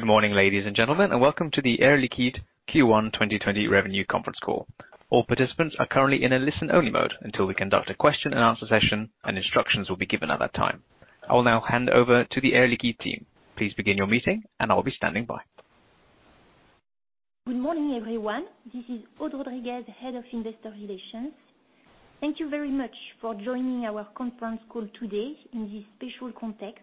Good morning, ladies and gentlemen, and welcome to the Air Liquide Q1 2020 revenue conference call. All participants are currently in a listen-only mode until we conduct a question and answer session, and instructions will be given at that time. I will now hand over to the Air Liquide team. Please begin your meeting, and I'll be standing by. Good morning, everyone. This is Aude Rodriguez, Head of Investor Relations. Thank you very much for joining our conference call today in this special context.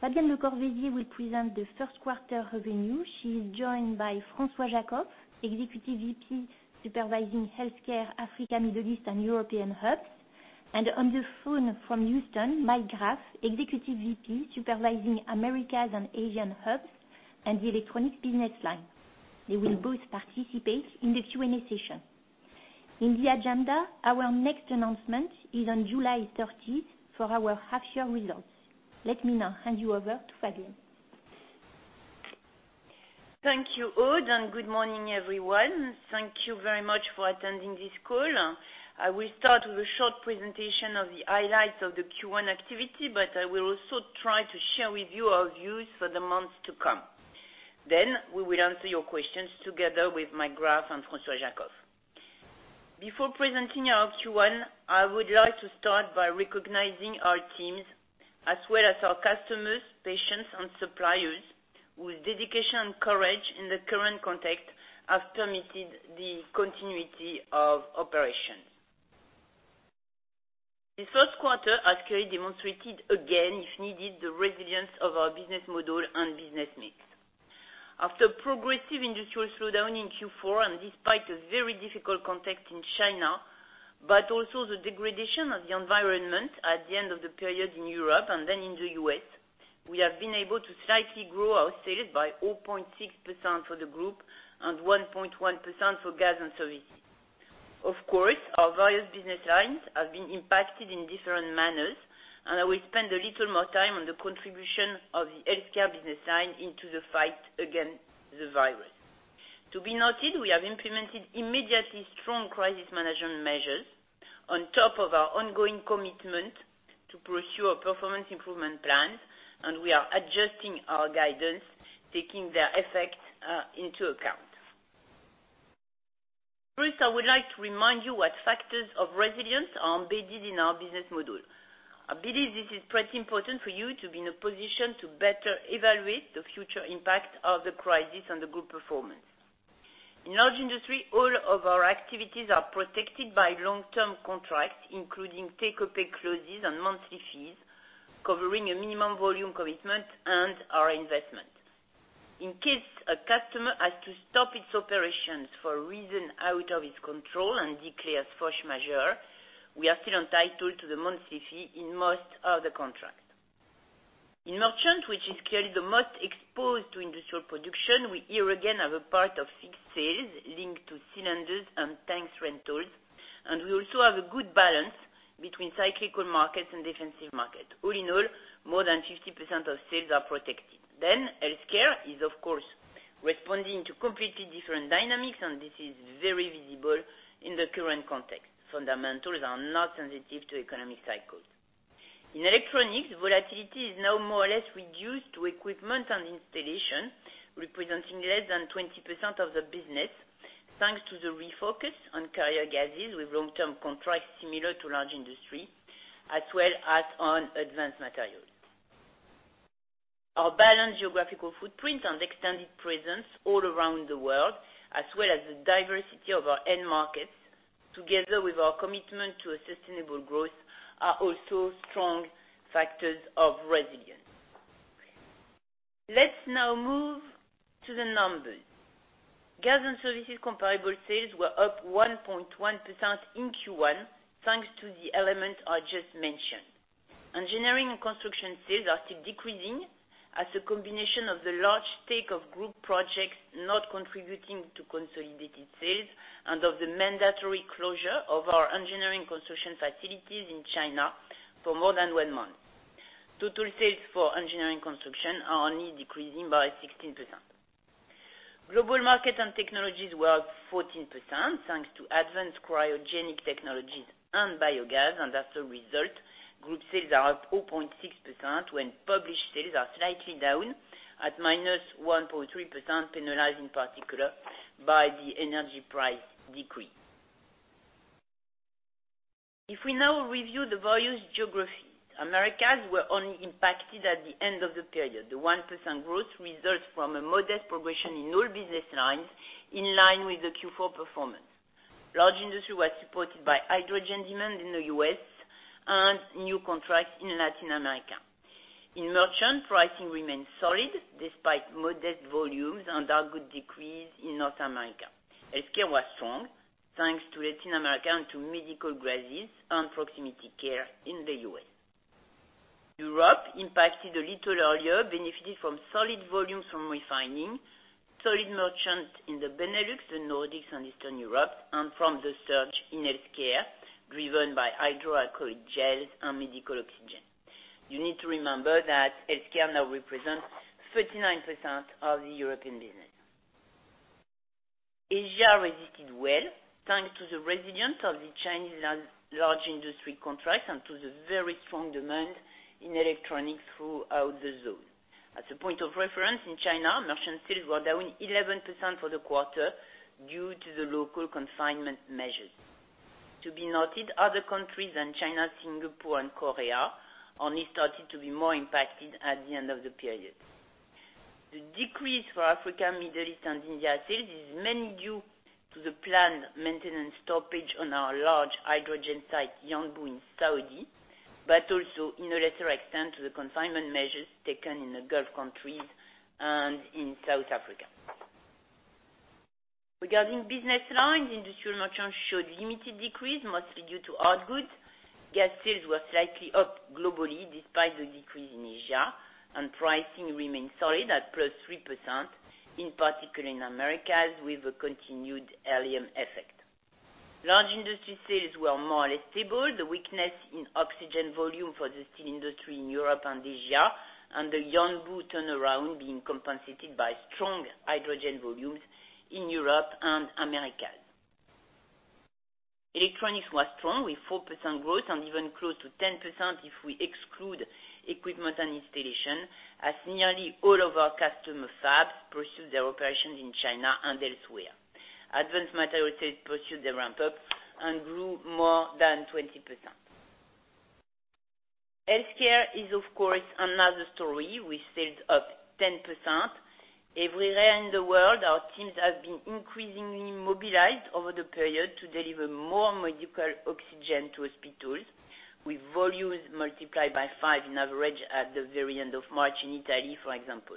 Fabienne Lecorvaisier will present the first quarter revenue. She is joined by François Jackow, Executive Vice President Supervising Healthcare Africa, Middle East, and European hubs, and on the phone from Houston, Mike Graff, Executive Vice President Supervising Americas and Asian hubs and the electronics business line. They will both participate in the Q&A session. In the agenda, our next announcement is on July 30th for our half-year results. Let me now hand you over to Fabienne. Thank you, Aude, and good morning, everyone. Thank you very much for attending this call. I will start with a short presentation of the highlights of the Q1 activity, but I will also try to share with you our views for the months to come. We will answer your questions together with Mike Graff and François Jackow. Before presenting our Q1, I would like to start by recognizing our teams as well as our customers, patients, and suppliers, whose dedication and courage in the current context have permitted the continuity of operations. The first quarter has clearly demonstrated again, if needed, the resilience of our business model and business mix. After progressive industrial slowdown in Q4 and despite a very difficult context in China, but also the degradation of the environment at the end of the period in Europe and then in the U.S., we have been able to slightly grow our sales by 0.6% for the group and 1.1% for gas and services. Of course, our various business lines have been impacted in different manners, and I will spend a little more time on the contribution of the healthcare business line into the fight against the virus. To be noted, we have implemented immediately strong crisis management measures on top of our ongoing commitment to pursue our performance improvement plans, and we are adjusting our guidance, taking their effect into account. First, I would like to remind you what factors of resilience are embedded in our business model. I believe this is pretty important for you to be in a position to better evaluate the future impact of the crisis on the group performance. In Large Industries, all of our activities are protected by long-term contracts, including take-or-pay clauses and monthly fees, covering a minimum volume commitment and our investment. In case a customer has to stop its operations for a reason out of its control and declares force majeure, we are still entitled to the monthly fee in most of the contracts. In Merchant, which is clearly the most exposed to industrial production, we here again have a part of fixed sales linked to cylinders and tanks rentals, and we also have a good balance between cyclical markets and defensive markets. All in all, more than 50% of sales are protected. Healthcare is, of course, responding to completely different dynamics, and this is very visible in the current context. Fundamentals are not sensitive to economic cycles. In Electronics, volatility is now more or less reduced to equipment and installation, representing less than 20% of the business, thanks to the refocus on carrier gases with long-term contracts similar to Large Industries, as well as on Advanced Materials. Our balanced geographical footprint and extended presence all around the world, as well as the diversity of our end markets, together with our commitment to a sustainable growth, are also strong factors of resilience. Let's now move to the numbers. Gas and Services comparable sales were up 1.1% in Q1, thanks to the elements I just mentioned. Engineering & Construction sales are still decreasing as a combination of the large take of group projects not contributing to consolidated sales and of the mandatory closure of our engineering construction facilities in China for more than one month. Total sales for Engineering & Construction are only decreasing by 16%. As a result, Global Markets & Technologies were up 14%, thanks to advanced cryogenic technologies and biogas, and group sales are up 0.6% when published sales are slightly down at -1.3%, penalized in particular by the energy price decrease. If we now review the various geographies, Americas were only impacted at the end of the period. The 1% growth results from a modest progression in all business lines, in line with the Q4 performance. Large Industries was supported by hydrogen demand in the U.S. and new contracts in Latin America. In Merchant, pricing remained solid despite modest volumes and a good decrease in North America. Healthcare was strong, thanks to Latin America and to medical grades and proximity care in the U.S. Europe, impacted a little earlier, benefited from solid volumes from refining, solid Merchant in the Benelux, the Nordics, and Eastern Europe, and from the surge in Healthcare driven by hydroalcoholic gels and medical oxygen. You need to remember that Healthcare now represents 39% of the European business. Asia resisted well, thanks to the resilience of the Chinese Large Industries contracts and to the very strong demand in electronics throughout the zone. As a point of reference, in China, Merchant sales were down 11% for the quarter due to the local confinement measures. To be noted, other countries than China, Singapore, and Korea only started to be more impacted at the end of the period. The decrease for Africa, Middle East, and India sales is mainly due to the planned maintenance stoppage on our large hydrogen site, Yanbu, in Saudi, but also in a lesser extent, to the confinement measures taken in the Gulf countries and in South Africa. Regarding business lines, Industrial Merchant showed limited decrease, mostly due to Airgas. Gas sales were slightly up globally despite the decrease in Asia, and pricing remains solid at +3%, in particular in Americas, with a continued helium effect. Large Industries sales were more or less stable. The weakness in oxygen volume for the steel industry in Europe and Asia, and the Yanbu turnaround being compensated by strong hydrogen volumes in Europe and Americas. Electronics was strong, with 4% growth and even close to 10% if we exclude equipment and installation, as nearly all of our customer fabs pursued their operations in China and elsewhere. Advanced Materials pursued the ramp-up and grew more than 20%. Healthcare is, of course, another story. We're still up 10%. Everywhere in the world, our teams have been increasingly mobilized over the period to deliver more medical oxygen to hospitals, with volumes multiplied by five on average at the very end of March in Italy, for example.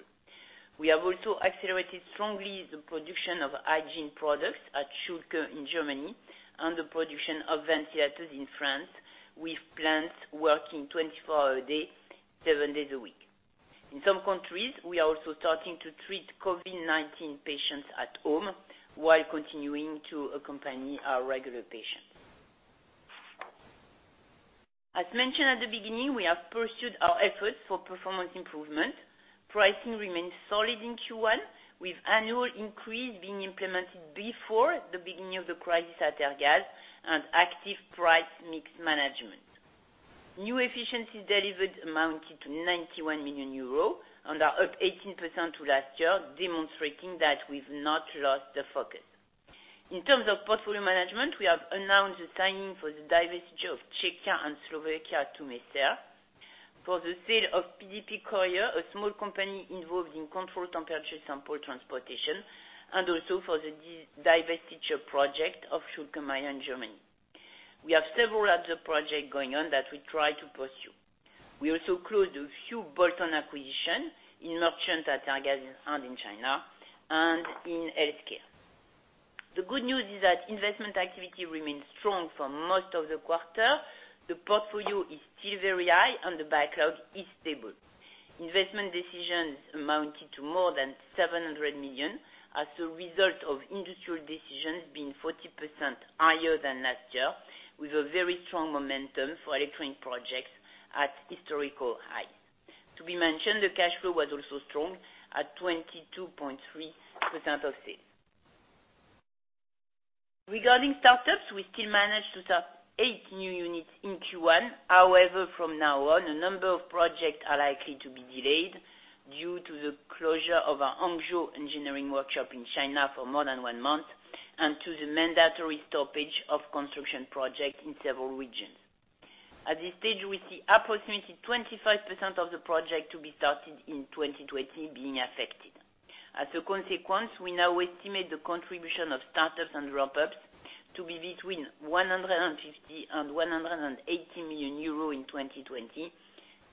We have also accelerated strongly the production of hygiene products at Schülke in Germany and the production of ventilators in France, with plants working 24 hours a day, seven days a week. In some countries, we are also starting to treat COVID-19 patients at home while continuing to accompany our regular patients. As mentioned at the beginning, we have pursued our efforts for performance improvement. Pricing remains solid in Q1, with annual increase being implemented before the beginning of the crisis at Airgas and active price mix management. New efficiencies delivered amounted to 91 million euros and are up 18% to last year, demonstrating that we've not lost the focus. In terms of portfolio management, we have announced the signing for the divestiture of Czechia and Slovakia to Messer, for the sale of PDQ Specialist Couriers, a small company involved in controlled temperature sample transportation, and also for the divestiture project of Schülke & Mayr in Germany. We have several other projects going on that we try to pursue. We also closed a few bolt-on acquisitions in merchants at Airgas and in China and in healthcare. The good news is that investment activity remains strong for most of the quarter. The portfolio is still very high, and the backlog is stable. Investment decisions amounted to more than 700 million as a result of industrial decisions being 40% higher than last year, with a very strong momentum for electronic projects at historical highs. To be mentioned, the cash flow was also strong, at 22.3% of sales. Regarding startups, we still managed to start eight new units in Q1. From now on, a number of projects are likely to be delayed due to the closure of our Hangzhou engineering workshop in China for more than one month and to the mandatory stoppage of construction projects in several regions. At this stage, we see approximately 25% of the projects to be started in 2020 being affected. We now estimate the contribution of startups and ramp-ups to be between 150 million-180 million euros in 2020,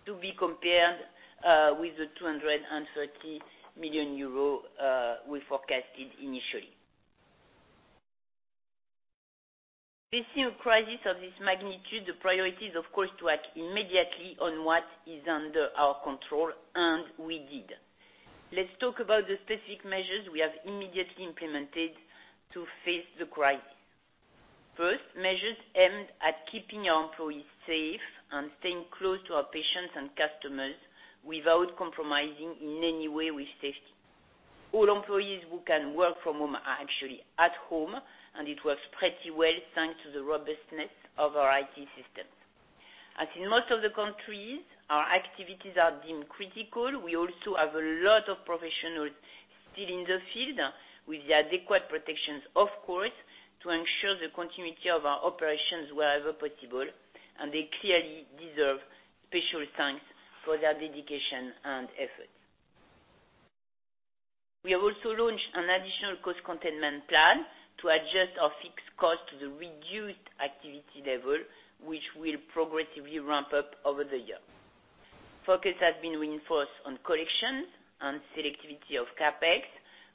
to be compared with the 230 million euros we forecasted initially. Facing a crisis of this magnitude, the priority is, of course, to act immediately on what is under our control, and we did. Let's talk about the specific measures we have immediately implemented to face the crisis. First, measures aimed at keeping our employees safe and staying close to our patients and customers without compromising in any way with safety. All employees who can work from home are actually at home, and it works pretty well, thanks to the robustness of our IT systems. As in most of the countries, our activities are deemed critical. We also have a lot of professionals still in the field, with the adequate protections, of course, to ensure the continuity of our operations wherever possible, and they clearly deserve special thanks for their dedication and effort. We have also launched an additional cost containment plan to adjust our fixed cost to the reduced activity level, which will progressively ramp up over the year. Focus has been reinforced on collections and selectivity of CapEx,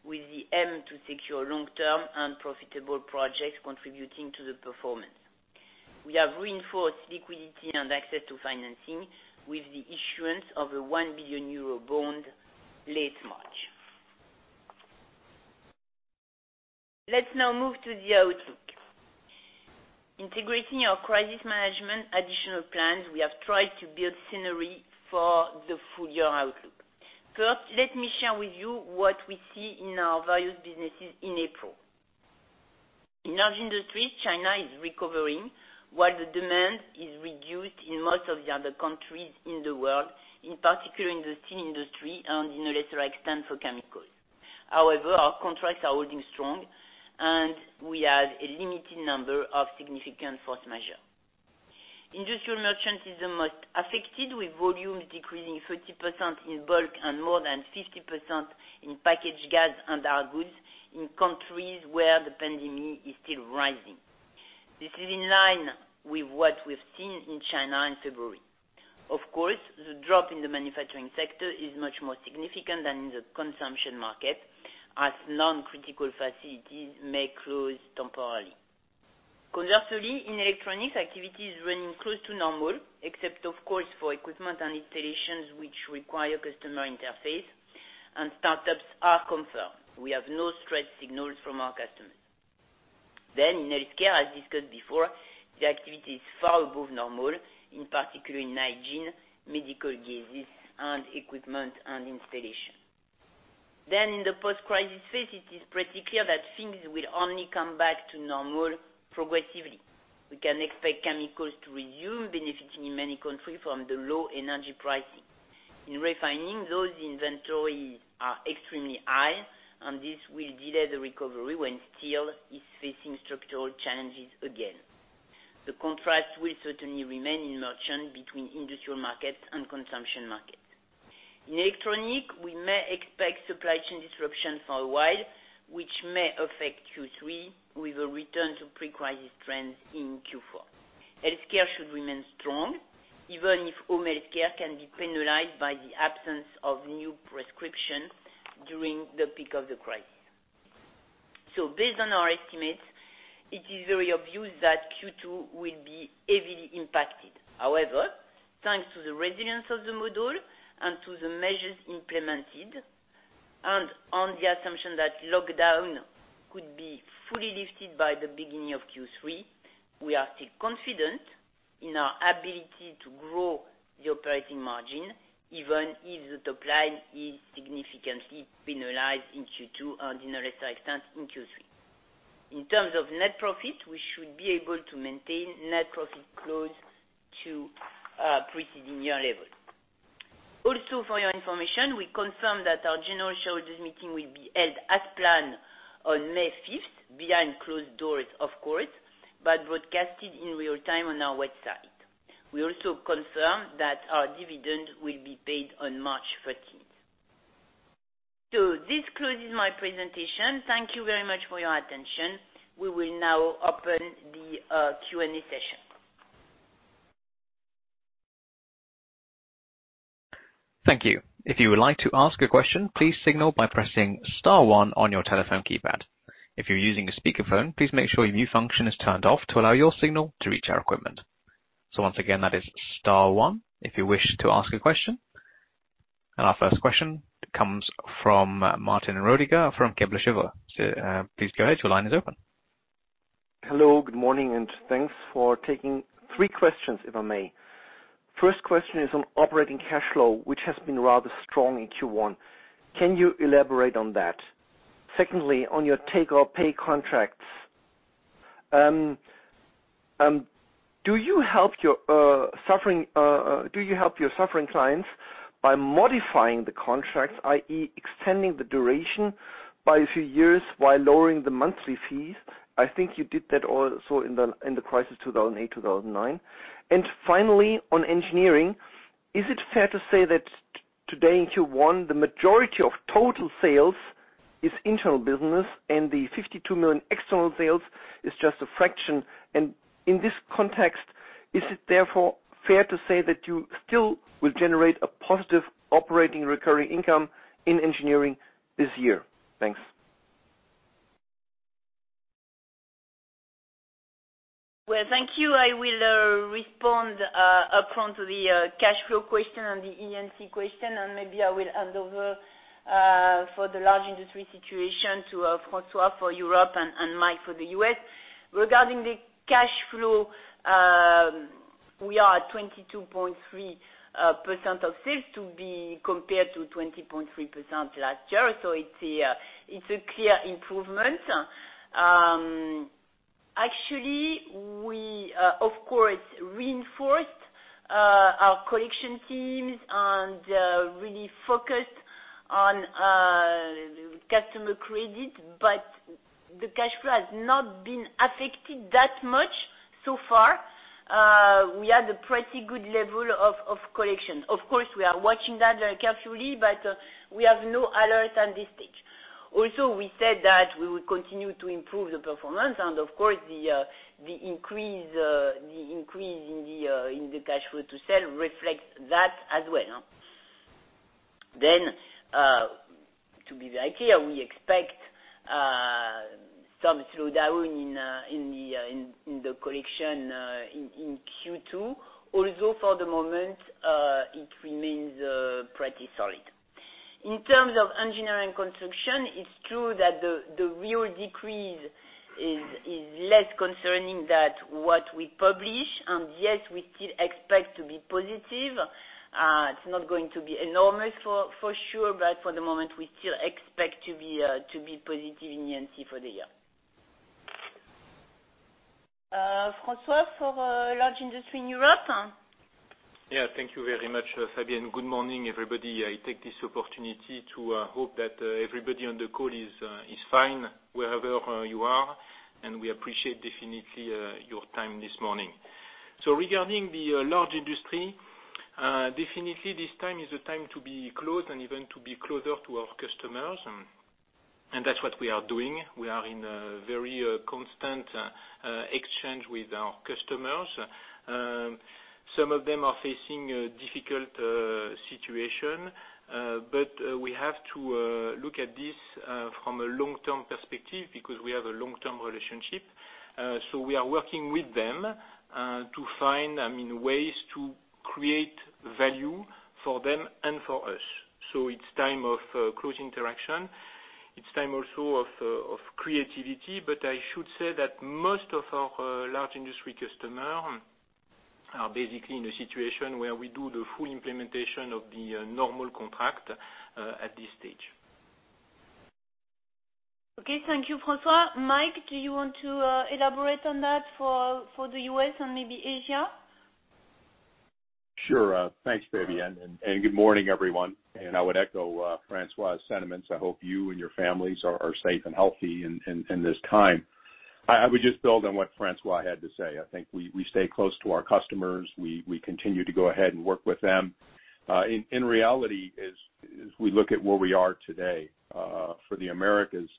with the aim to secure long-term and profitable projects contributing to the performance. We have reinforced liquidity and access to financing with the issuance of a 1 billion euro bond late March. Let's now move to the outlook. Integrating our crisis management additional plans, we have tried to build scenery for the full-year outlook. First, let me share with you what we see in our various businesses in April. In Large Industries, China is recovering while the demand is reduced in most of the other countries in the world, in particular in the steel industry and in a lesser extent for chemicals. However, our contracts are holding strong, and we have a limited number of significant force majeure. Industrial Merchants is the most affected, with volumes decreasing 30% in bulk and more than 50% in packaged gas and hard goods in countries where the pandemic is still rising. This is in line with what we've seen in China in February. Of course, the drop in the manufacturing sector is much more significant than in the consumption market, as non-critical facilities may close temporarily. Conversely, in Electronics, activity is running close to normal, except of course for equipment and installations which require customer interface, and startups are confirmed. We have no stress signals from our customers. In Healthcare, as discussed before, the activity is far above normal, in particular in hygiene, medical gases, and equipment, and installation. In the post-crisis phase, it is pretty clear that things will only come back to normal progressively. We can expect Chemicals to resume benefiting in many countries from the low energy pricing. In Refining, those inventories are extremely high, and this will delay the recovery when Steel is facing structural challenges again. The contrast will certainly remain in Merchant between industrial markets and consumption markets. In Electronic, we may expect supply chain disruption for a while, which may affect Q3 with a return to pre-crisis trends in Q4. Healthcare should remain strong, even if home healthcare can be penalized by the absence of new prescriptions during the peak of the crisis. Based on our estimates, it is very obvious that Q2 will be heavily impacted. Thanks to the resilience of the model and to the measures implemented, and on the assumption that lockdown could be fully lifted by the beginning of Q3, we are still confident in our ability to grow the operating margin, even if the top line is significantly penalized in Q2 and in a lesser extent in Q3. In terms of net profit, we should be able to maintain net profit close to preceding year levels. For your information, we confirm that our general shareholders meeting will be held as planned on May 5th, behind closed doors, of course, but broadcasted in real time on our website. We also confirm that our dividend will be paid on March 13th. This closes my presentation. Thank you very much for your attention. We will now open the Q&A session. Thank you. If you would like to ask a question, please signal by pressing star one on your telephone keypad. If you are using a speakerphone, please make sure your mute function is turned off to allow your signal to reach our equipment. Once again, that is star one if you wish to ask a question. Our first question comes from Martin Roediger from Kepler Cheuvreux. Please go ahead. Your line is open. Hello, good morning. Thanks for taking three questions, if I may. First question is on operating cash flow, which has been rather strong in Q1. Secondly, on your take-or-pay contracts, do you help your suffering clients by modifying the contracts, i.e., extending the duration by a few years while lowering the monthly fees? I think you did that also in the crisis 2008, 2009. Finally, on engineering, is it fair to say that today in Q1, the majority of total sales is internal business and the 52 million external sales is just a fraction? In this context, is it therefore fair to say that you still will generate a positive operating recurring income in engineering this year? Thanks. Well, thank you. I will respond upfront to the cash flow question and the E&C question, and maybe I will hand over for the Large Industries situation to François for Europe and Mike for the U.S. Regarding the cash flow, we are at 22.3% of sales to be compared to 20.3% last year. It's a clear improvement. Actually, we of course reinforced our collection teams and really focused on customer credit, but the cash flow has not been affected that much so far. We have a pretty good level of collections. Of course, we are watching that very carefully, but we have no alerts at this stage. We said that we would continue to improve the performance and, of course, the increase in the cash flow to sell reflects that as well. To be clear, we expect some slowdown in the collectionQ2, although for the moment, it remains pretty solid. In terms of Engineering and Construction, it's true that the real decrease is less concerning than what we publish. Yes, we still expect to be positive. It's not going to be enormous for sure, but for the moment, we still expect to be positive in E&C for the year. François, for Large Industries in Europe? Thank you very much, Fabienne. Good morning, everybody. I take this opportunity to hope that everybody on the call is fine wherever you are, and we appreciate definitely your time this morning. Regarding the Large Industries, definitely this time is the time to be close and even to be closer to our customers, and that's what we are doing. We are in a very constant exchange with our customers. Some of them are facing a difficult situation. We have to look at this from a long-term perspective because we have a long-term relationship. We are working with them to find ways to create value for them and for us. It's time of close interaction. It's time also of creativity. I should say that most of our large industry customers are basically in a situation where we do the full implementation of the normal contract at this stage. Okay. Thank you, François. Mike, do you want to elaborate on that for the U.S. and maybe Asia? Sure. Thanks, Fabienne, and good morning, everyone. I would echo François' sentiments. I hope you and your families are safe and healthy in this time. I would just build on what François had to say. I think we stay close to our customers. We continue to go ahead and work with them. In reality, as we look at where we are today for the Americas,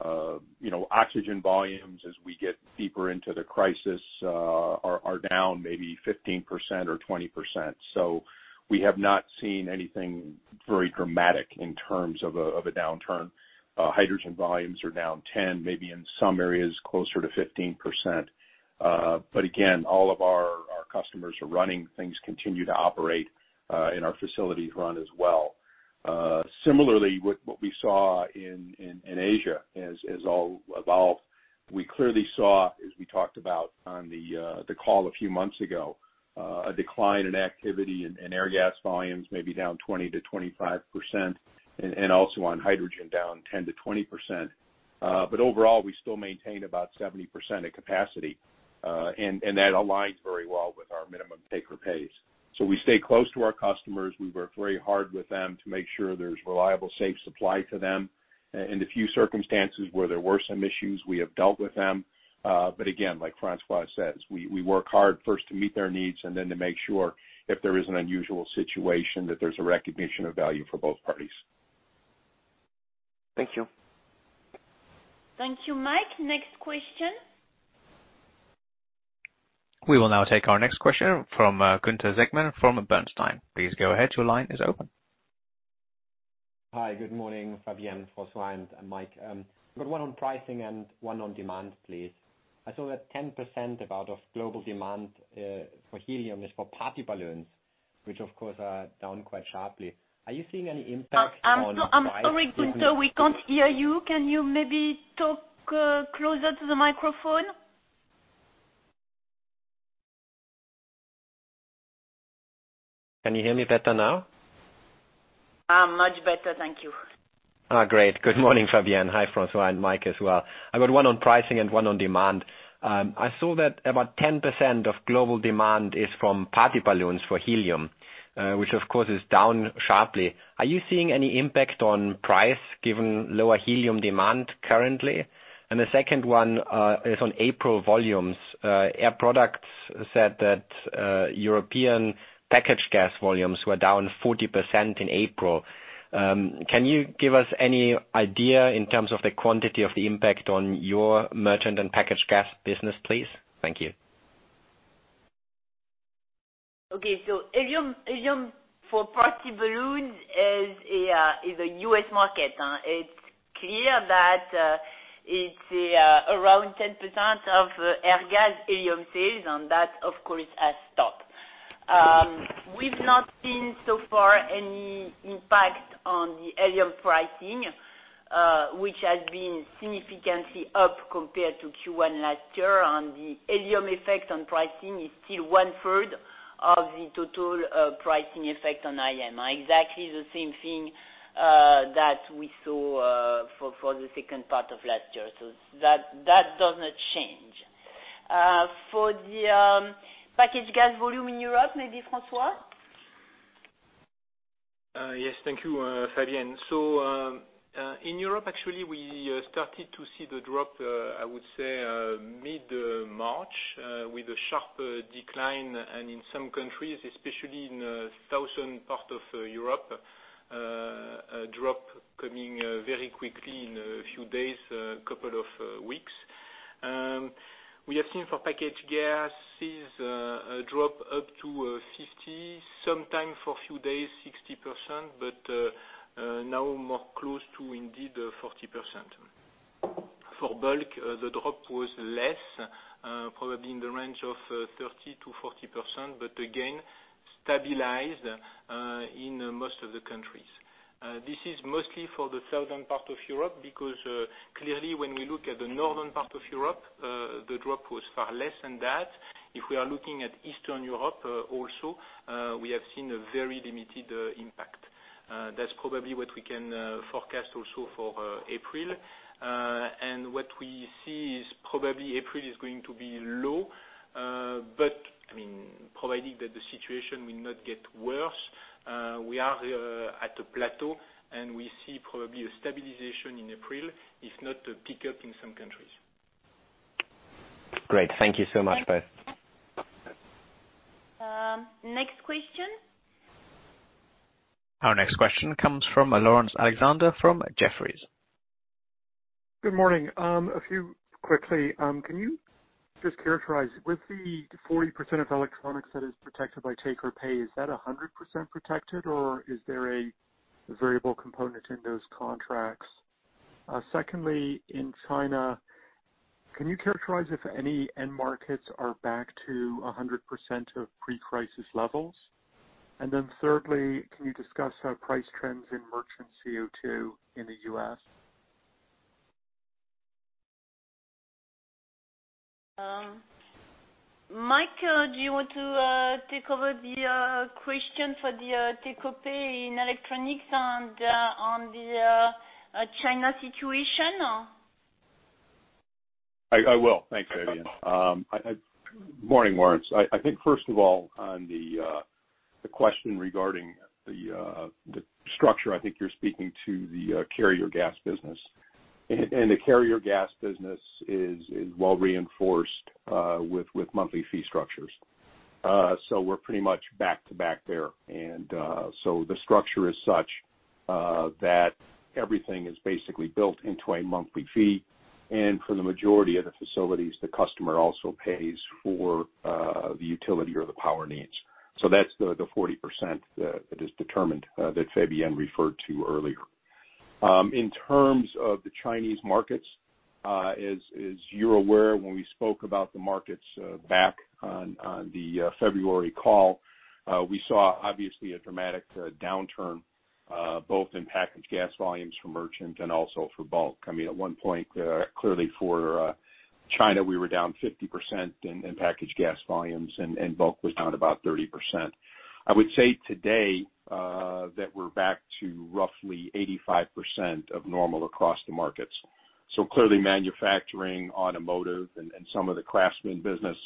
oxygen volumes as we get deeper into the crisis are down maybe 15% or 20%. We have not seen anything very dramatic in terms of a downturn. Hydrogen volumes are down 10%, maybe in some areas closer to 15%. Again, all of our customers are running. Things continue to operate, and our facilities run as well. Similarly, what we saw in Asia is all about, we clearly saw, as we talked about on the call a few months ago, a decline in activity in Airgas volumes, maybe down 20%-25%, and also on hydrogen down 10%-20%. Overall, we still maintain about 70% of capacity, and that aligns very well with our minimum take-or-pay. We stay close to our customers. We work very hard with them to make sure there's reliable, safe supply to them. In the few circumstances where there were some issues, we have dealt with them. Again, like François says, we work hard first to meet their needs and then to make sure if there is an unusual situation, that there's a recognition of value for both parties. Thank you. Thank you, Mike. Next question. We will now take our next question from Gunther Zechmann from Bernstein. Please go ahead. Your line is open. Hi, good morning, Fabienne, François, and Mike. I've got one on pricing and one on demand, please. I saw that 10% about of global demand for helium is for party balloons, which of course, are down quite sharply. Are you seeing any impact? I'm sorry, Gunther. We can't hear you. Can you maybe talk closer to the microphone? Can you hear me better now? Much better. Thank you. Great. Good morning, Fabienne. Hi, François and Mike as well. I've got one on pricing and one on demand. I saw that about 10% of global demand is from party balloons for helium, which of course is down sharply. Are you seeing any impact on price given lower helium demand currently? The second one is on April volumes. Air Products said that European packaged gas volumes were down 40% in April. Can you give us any idea in terms of the quantity of the impact on your merchant and packaged gas business, please? Thank you. Helium for party balloons is a U.S. market. It's clear that it's around 10% of Airgas helium sales, and that, of course, has stopped. We've not seen so far any impact on the helium pricing, which has been significantly up compared to Q1 last year. The helium effect on pricing is still 1/3 of the total pricing effect on IM. Exactly the same thing that we saw for the second part of last year. That does not change. For the packaged gas volume in Europe, maybe François? Yes. Thank you, Fabienne. In Europe, actually, we started to see the drop, I would say mid-March, with a sharp decline, and in some countries, especially in the southern part of Europe, a drop coming very quickly in a few days, a couple of weeks. We have seen for packaged gases a drop up to 50%, sometimes for a few days, 60%, but now more close to indeed 40%. For bulk, the drop was less, probably in the range of 30%-40%, but again, stabilized in most of the countries. This is mostly for the southern part of Europe, because clearly when we look at the northern part of Europe, the drop was far less than that. If we are looking at Eastern Europe, also, we have seen a very limited impact. That's probably what we can forecast also for April. What we see is probably April is going to be low. Providing that the situation will not get worse, we are at a plateau, and we see probably a stabilization in April, if not a pickup in some countries. Great. Thank you so much, both. Next question. Our next question comes from Laurence Alexander from Jefferies. Good morning. A few quickly. Can you just characterize, with the 40% of electronics that is protected by take-or-pay, is that 100% protected, or is there a variable component in those contracts? Secondly, in China, can you characterize if any end markets are back to 100% of pre-crisis levels? Thirdly, can you discuss how price trends in merchant CO₂ in the U.S.? Mike, do you want to take over the question for the take-or-pay in electronics and on the China situation? I will. Thanks, Fabienne. Morning, Laurence. First of all, on the question regarding the structure, you're speaking to the carrier gas business. The carrier gas business is well reinforced with monthly fee structures. We're pretty much back to back there. The structure is such that everything is basically built into a monthly fee, and for the majority of the facilities, the customer also pays for the utility or the power needs. That's the 40% that is determined that Fabienne referred to earlier. In terms of the Chinese markets, as you're aware, when we spoke about the markets back on the February call, we saw obviously a dramatic downturn, both in packaged gas volumes for merchant and also for bulk. I mean, at one point, clearly for China, we were down 50% in packaged gas volumes, and bulk was down about 30%. I would say today that we're back to roughly 85% of normal across the markets. Clearly manufacturing, automotive, and some of the craftsman business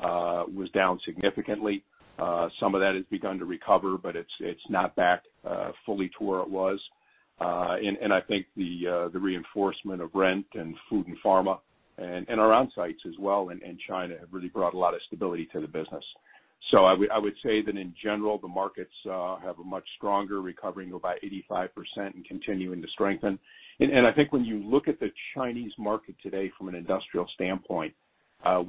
was down significantly. Some of that has begun to recover, it's not back fully to where it was. I think the reinforcement of rent and food and pharma and our on-sites as well in China have really brought a lot of stability to the business. I would say that in general, the markets have a much stronger recovery of about 85% and continuing to strengthen. I think when you look at the Chinese market today from an industrial standpoint,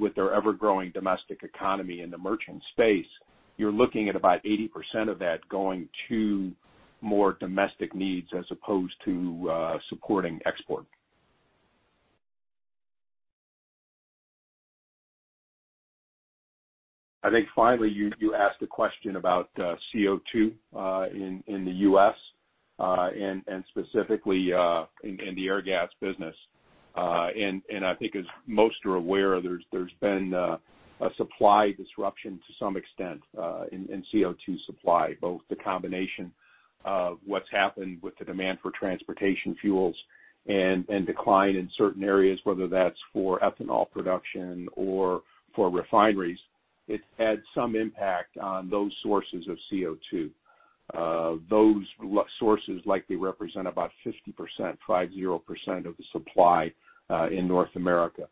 with their ever-growing domestic economy in the merchant space, you're looking at about 80% of that going to more domestic needs as opposed to supporting export. I think finally, you asked a question about CO₂ in the U.S., and specifically in the Airgas business. I think as most are aware, there's been a supply disruption to some extent in CO₂ supply, both the combination of what's happened with the demand for transportation fuels and decline in certain areas, whether that's for ethanol production or for refineries. It's had some impact on those sources of CO₂. Those sources likely represent about 50%, five zero percent of the supply in North America.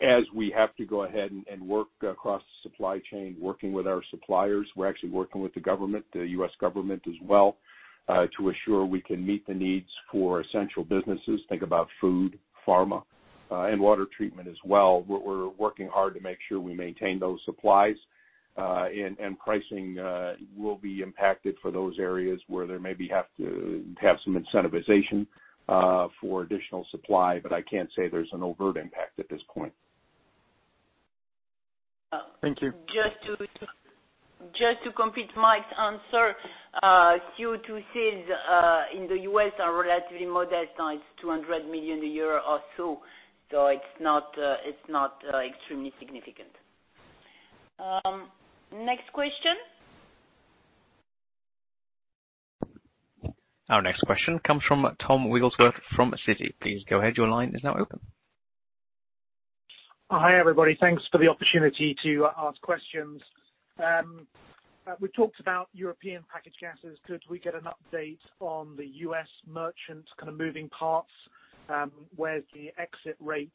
As we have to go ahead and work across the supply chain, working with our suppliers, we're actually working with the government, the U.S. government as well, to assure we can meet the needs for essential businesses. Think about food, pharma, and water treatment as well. We're working hard to make sure we maintain those supplies, and pricing will be impacted for those areas where there maybe have to have some incentivization for additional supply, but I can't say there's an overt impact at this point. Thank you. Just to complete Mike's answer, CO₂ sales in the U.S. are relatively modest, it's $200 million a year or so it's not extremely significant. Next question. Our next question comes from Tom Wrigglesworth from Citi. Please go ahead. Your line is now open. Hi, everybody. Thanks for the opportunity to ask questions. We talked about European packaged gases. Could we get an update on the U.S. merchant kind of moving parts? Where's the exit rate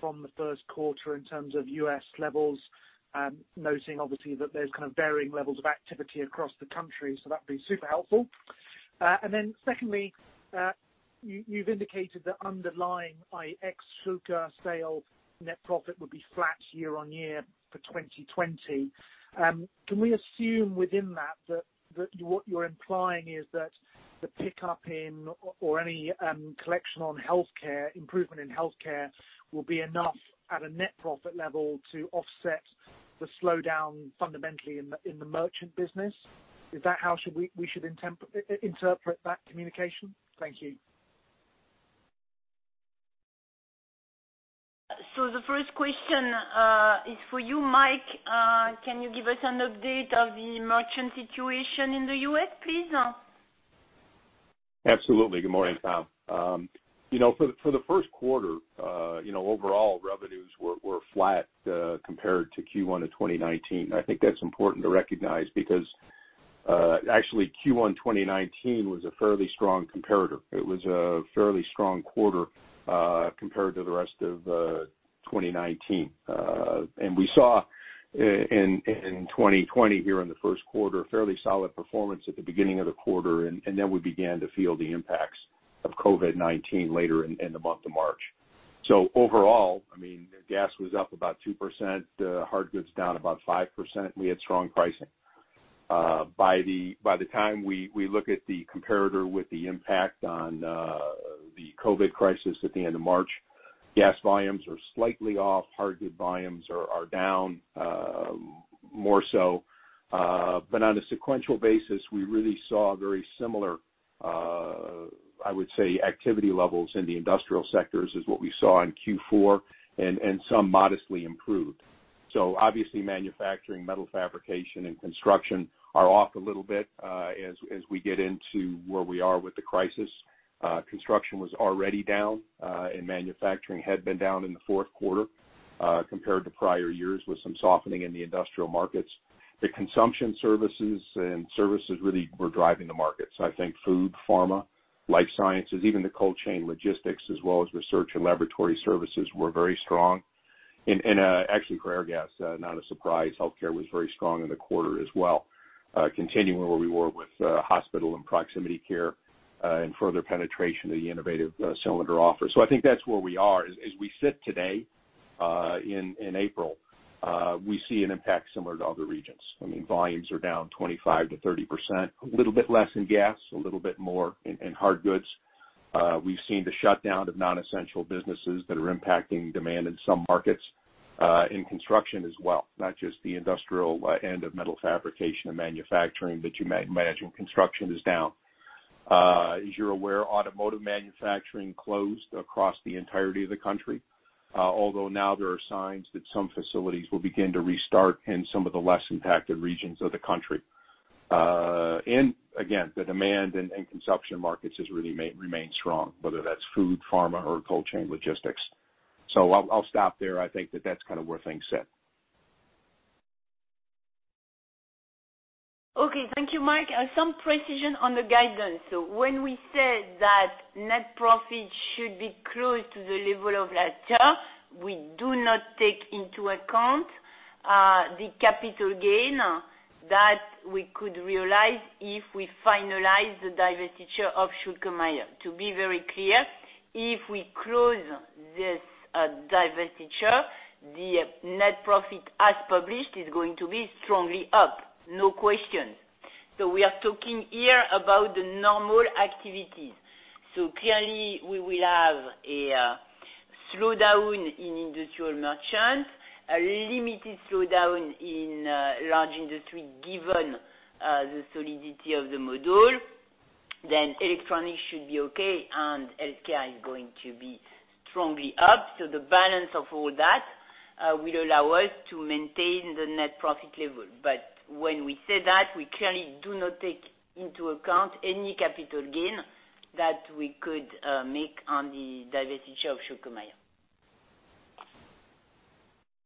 from the first quarter in terms of U.S. levels? Noticing obviously that there's kind of varying levels of activity across the country, so that'd be super helpful. Secondly, you've indicated that underlying ex Schülke sales net profit would be flat year-on-year for 2020. Can we assume within that what you're implying is that the pickup in or any collection on healthcare, improvement in healthcare will be enough at a net profit level to offset the slowdown fundamentally in the merchant business? Is that how we should interpret that communication? Thank you. The first question is for you, Mike. Can you give us an update of the merchant situation in the U.S., please? Absolutely. Good morning, Tom. For the first quarter, overall revenues were flat, compared to Q1 of 2019. I think that's important to recognize because, actually Q1 2019 was a fairly strong comparator. It was a fairly strong quarter, compared to the rest of 2019. We saw in 2020 here in the first quarter, a fairly solid performance at the beginning of the quarter, and then we began to feel the impacts of COVID-19 later in the month of March. Overall, Airgas was up about 2%, hard goods down about 5%, and we had strong pricing. By the time we look at the comparator with the impact on the COVID crisis at the end of March, gas volumes are slightly off, hard good volumes are down more so. On a sequential basis, we really saw very similar, I would say, activity levels in the industrial sectors as what we saw in Q4 and some modestly improved. Obviously manufacturing, metal fabrication, and construction are off a little bit, as we get into where we are with the crisis. Construction was already down, and manufacturing had been down in the fourth quarter, compared to prior years with some softening in the industrial markets. The consumption services and services really were driving the markets. I think food, pharma, life sciences, even the cold chain logistics, as well as research and laboratory services, were very strong. Actually for Airgas, not a surprise, healthcare was very strong in the quarter as well. Continuing where we were with hospital and proximity care, and further penetration of the innovative cylinder offer. I think that's where we are. As we sit today, in April, we see an impact similar to other regions. Volumes are down 25%-30%, a little bit less in gas, a little bit more in hard goods. We've seen the shutdown of non-essential businesses that are impacting demand in some markets, in construction as well, not just the industrial end of metal fabrication and manufacturing, but you mentioned construction is down. As you're aware, automotive manufacturing closed across the entirety of the country. Although now there are signs that some facilities will begin to restart in some of the less impacted regions of the country. Again, the demand and consumption markets has really remained strong, whether that's food, pharma, or cold chain logistics. I'll stop there. I think that that's kind of where things sit. Okay. Thank you, Mike. Some precision on the guidance. When we said that net profit should be close to the level of last year, we do not take into account the capital gain that we could realize if we finalize the divestiture of Schülke & Mayr. To be very clear, if we close this divestiture, the net profit as published is going to be strongly up, no question. We are talking here about the normal activities. Clearly, we will have a slowdown in Industrial Merchant, a limited slowdown in Large Industries given the solidity of the module, electronics should be okay, and healthcare is going to be strongly up. The balance of all that, will allow us to maintain the net profit level. When we say that, we clearly do not take into account any capital gain that we could make on the divestiture of Schülke & Mayr.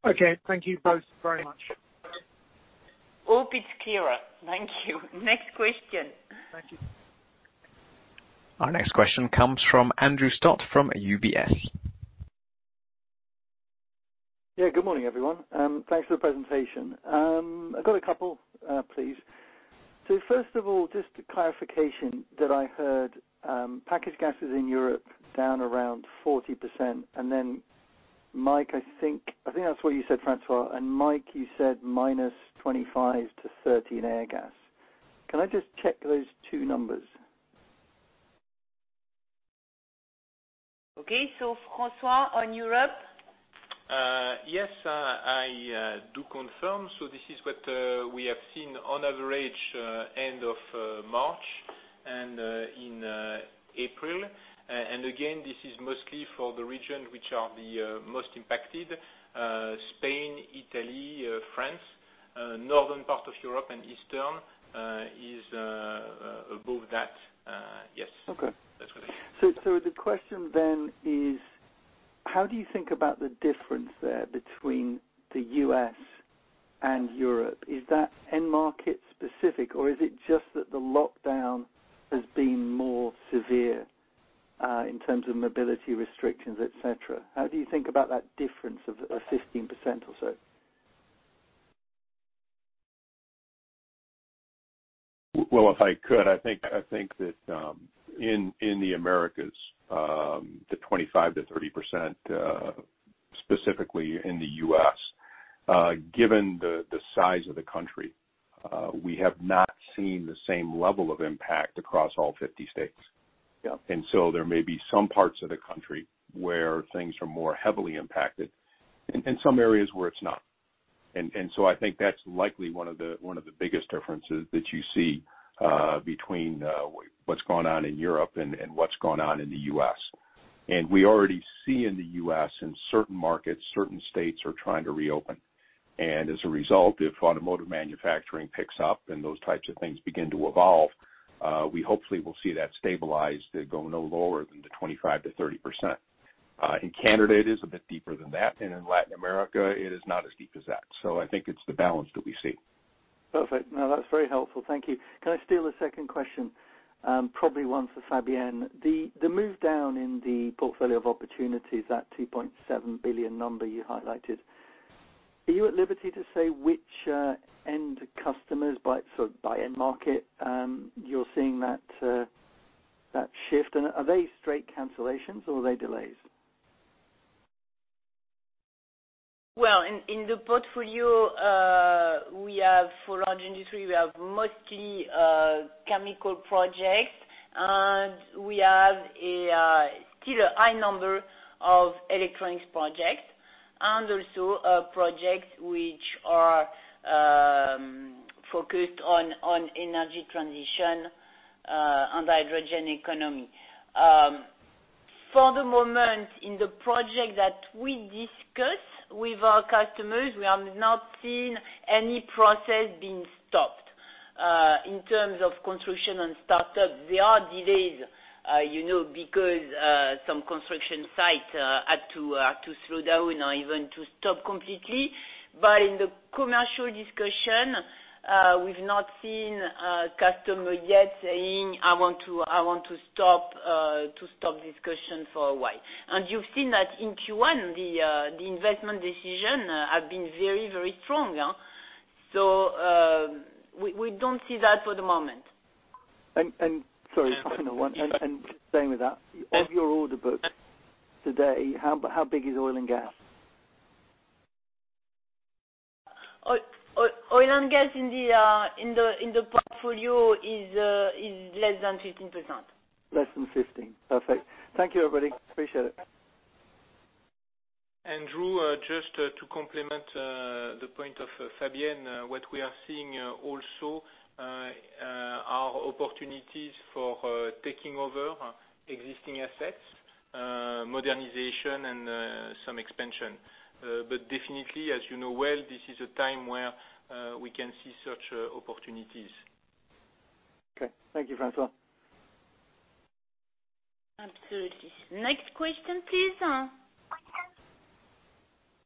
Okay. Thank you both very much. Hope it's clearer. Thank you. Next question. Thank you. Our next question comes from Andrew Stott from UBS. Good morning, everyone. Thanks for the presentation. I have got a couple, please. First of all, just a clarification that I heard, packaged gases in Europe down around 40%. Then Mike, I think that is what you said, François. Mike, you said -25% to -30% in Airgas. Can I just check those two numbers? Okay. François, on Europe. Yes, I do confirm. This is what we have seen on average end of March and in April. Again, this is mostly for the region which are the most impacted, Spain, Italy, France. Northern part of Europe and Eastern is above that. Yes. Okay. That's what I think. The question then is how do you think about the difference there between the U.S. and Europe? Is that end market specific, or is it just that the lockdown has been more severe? In terms of mobility restrictions, et cetera. How do you think about that difference of 15% or so? Well, if I could, I think that in the Americas, the 25%-30%, specifically in the U.S., given the size of the country, we have not seen the same level of impact across all 50 states. Yeah. There may be some parts of the country where things are more heavily impacted and some areas where it's not. I think that's likely one of the biggest differences that you see between what's going on in Europe and what's going on in the U.S. We already see in the U.S., in certain markets, certain states are trying to reopen. As a result, if automotive manufacturing picks up and those types of things begin to evolve, we hopefully will see that stabilize to go no lower than the 25%-30%. In Canada, it is a bit deeper than that, and in Latin America, it is not as deep as that. I think it's the balance that we see. Perfect. No, that's very helpful. Thank you. Can I steal a second question? Probably one for Fabienne. The move down in the portfolio of opportunities, that 2.7 billion number you highlighted, are you at liberty to say which end customers by end market you're seeing that shift? Are they straight cancellations or are they delays? Well, in the portfolio, for Large Industries, we have mostly chemical projects, and we have still a high number of electronics projects and also projects which are focused on energy transition and the hydrogen economy. For the moment, in the project that we discuss with our customers, we have not seen any process being stopped. In terms of construction and startup, there are delays because some construction sites had to slow down or even to stop completely. In the commercial discussion, we've not seen a customer yet saying, "I want to stop discussion for a while." You've seen that in Q1, the investment decision have been very strong. We don't see that for the moment. Sorry, final one. Staying with that, of your order book today, how big is oil and gas? Oil and gas in the portfolio is less than 15%. Less than 15%. Perfect. Thank you, everybody. Appreciate it. Andrew, just to complement the point of Fabienne, what we are seeing also are opportunities for taking over existing assets, modernization, and some expansion. Definitely, as you know well, this is a time where we can see such opportunities. Okay. Thank you, François. Absolutely. Next question, please.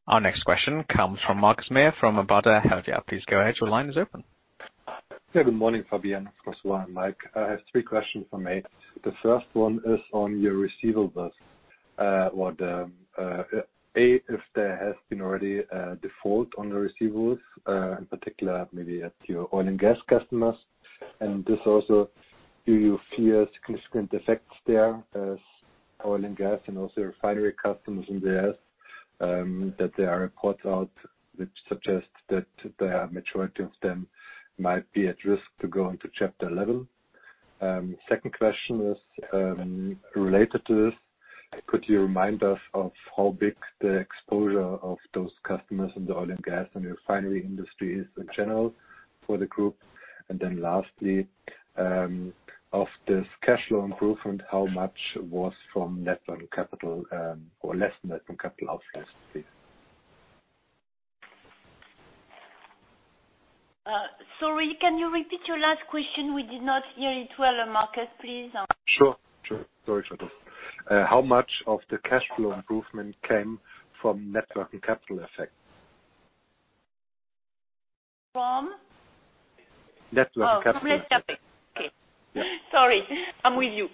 Our next question comes from Markus Mayer from Baader Helvea. Please go ahead. Your line is open. Good morning, Fabienne, François, and Mike. I have three questions for me. The first one is on your receivables. If there has been already a default on the receivables, in particular maybe at your oil and gas customers. This also, do you fear subsequent effects there as oil and gas and also refinery customers in the U.S., that there are reports out which suggest that the majority of them might be at risk to go into Chapter 11. Second question is related to this. Could you remind us of how big the exposure of those customers in the oil and gas and refinery industry is in general for the group? Then lastly, of this cash flow improvement, how much was from net working capital or less net working capital outflows, please? Sorry, can you repeat your last question? We did not hear it well, Markus, please. Sure. Sorry for that. How much of the cash flow improvement came from net working capital effect? From? Net working capital. Oh, net capital. Okay. Yeah. Sorry. I'm with you.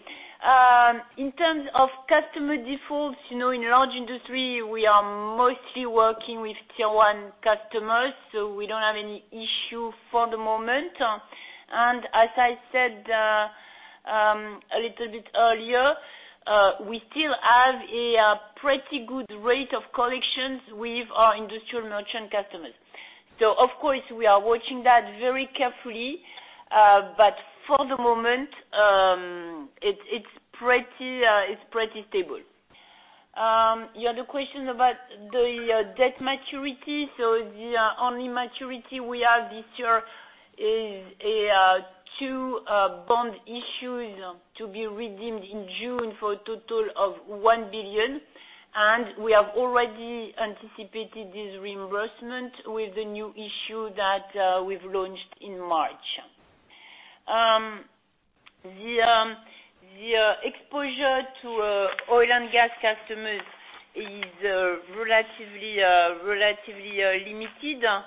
In terms of customer defaults, in Large Industries, we are mostly working with Tier 1 customers, so we don't have any issue for the moment. As I said a little bit earlier, we still have a pretty good rate of collections with our Industrial Merchant customers. Of course, we are watching that very carefully, but for the moment, it's pretty stable. Your other question about the debt maturity. The only maturity we have this year is two bond issues to be redeemed in June for a total of 1 billion. We have already anticipated this reimbursement with the new issue that we've launched in March. The exposure to oil and gas customers is relatively limited.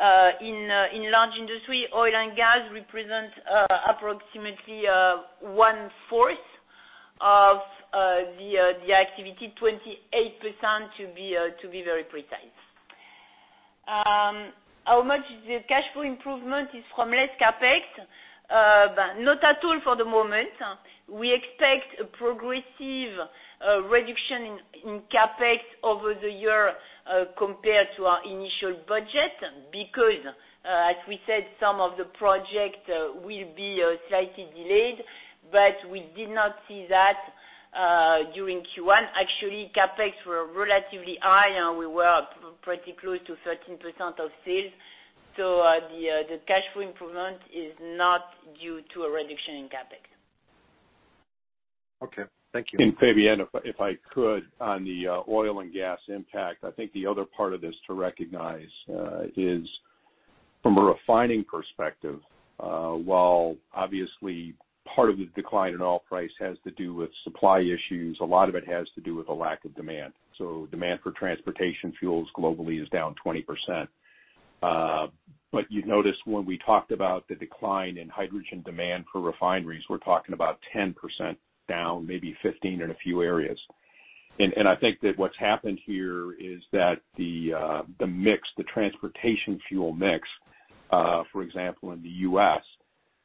In Large Industries, oil and gas represents approximately one-fourth of the activity, 28% to be very precise. How much is the cash flow improvement is from less CapEx? Not at all for the moment. We expect a progressive reduction in CapEx over the year compared to our initial budget, because, as we said, some of the projects will be slightly delayed, but we did not see that during Q1. Actually, CapEx were relatively high, and we were pretty close to 13% of sales. The cash flow improvement is not due to a reduction in CapEx. Okay. Thank you. Fabienne, if I could, on the oil and gas impact, I think the other part of this to recognize is from a refining perspective, while obviously part of the decline in oil price has to do with supply issues, a lot of it has to do with a lack of demand. Demand for transportation fuels globally is down 20%. You notice when we talked about the decline in hydrogen demand for refineries, we're talking about 10% down, maybe 15% in a few areas. I think that what's happened here is that the transportation fuel mix, for example, in the U.S.,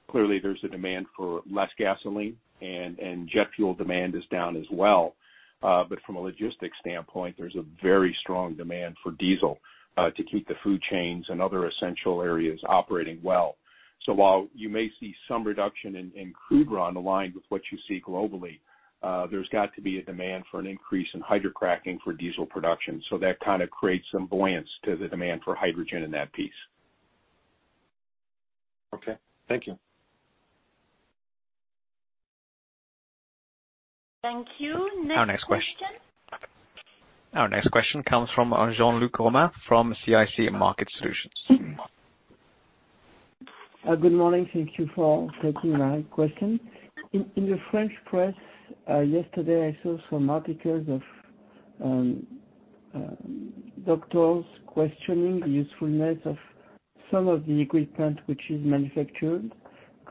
clearly there's a demand for less gasoline, and jet fuel demand is down as well. From a logistics standpoint, there's a very strong demand for diesel to keep the food chains and other essential areas operating well. While you may see some reduction in crude run aligned with what you see globally, there's got to be a demand for an increase in hydrocracking for diesel production. That kind of creates some buoyancy to the demand for hydrogen in that piece. Okay. Thank you. Thank you. Next question. Our next question comes from Jean-Luc Romain from CIC Market Solutions. Good morning. Thank you for taking my question. In the French press yesterday, I saw some articles of doctors questioning the usefulness of some of the equipment which is manufactured.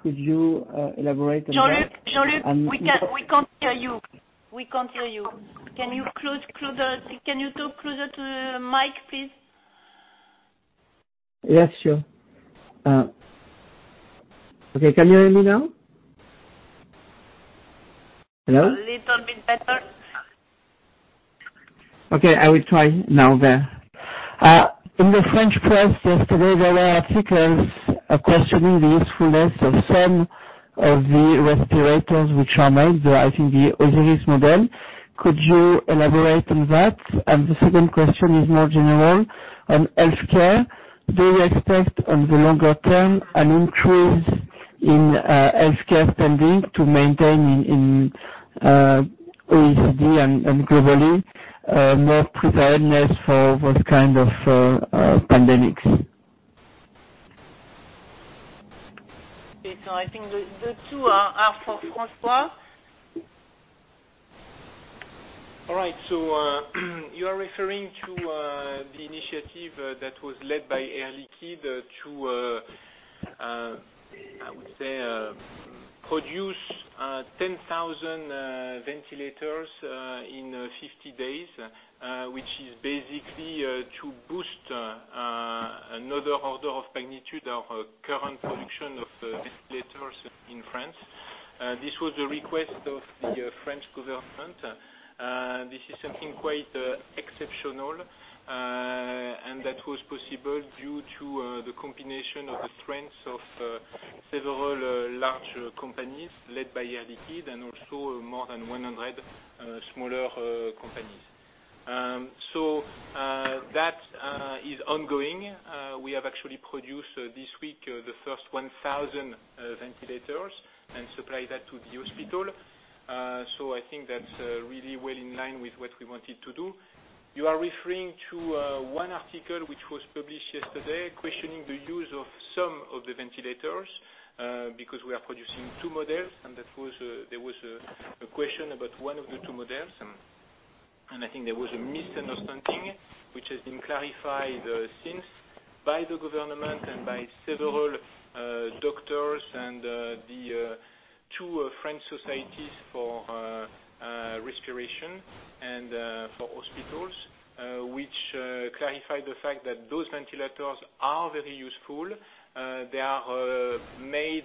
Could you elaborate on that? Jean-Luc, we can't hear you. Can you talk closer to the mic, please? Yes, sure. Okay. Can you hear me now? Hello? A little bit better. Okay, I will try now there. In the French press yesterday, there were articles questioning the usefulness of some of the respirators which are made, I think the Osiris model. Could you elaborate on that? The second question is more general on healthcare. Do you expect on the longer term an increase in healthcare spending to maintain in OECD and globally more preparedness for those kind of pandemics? I think the two are for François. All right. You are referring to the initiative that was led by Air Liquide to, I would say, produce 10,000 ventilators in 50 days, which is basically to boost another order of magnitude our current production of ventilators in France. This was a request of the French government. This is something quite exceptional, and that was possible due to the combination of the strengths of several large companies led by Air Liquide and also more than 100 smaller companies. That is ongoing. We have actually produced this week the first 1,000 ventilators and supplied that to the hospital. I think that's really well in line with what we wanted to do. You are referring to one article which was published yesterday questioning the use of some of the ventilators, because we are producing two models, and there was a question about one of the two models, and I think there was a misunderstanding, which has been clarified since by the government and by several doctors and the two French societies for respiration and for hospitals, which clarified the fact that those ventilators are very useful. They are made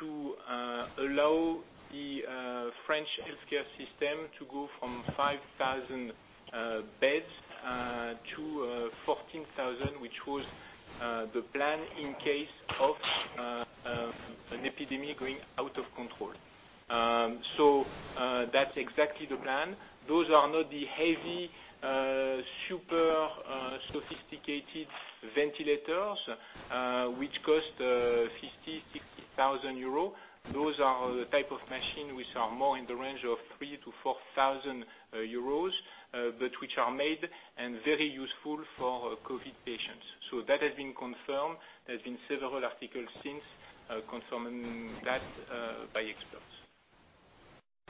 to allow the French healthcare system to go from 5,000 beds-14,000 beds, which was the plan in case of an epidemic going out of control. That's exactly the plan. Those are not the heavy, super sophisticated ventilators, which cost 50,000, 60,000 euros. Those are the type of machine which are more in the range of 3,000-4,000 euros, but which are made and very useful for COVID patients. That has been confirmed. There's been several articles since confirming that by experts.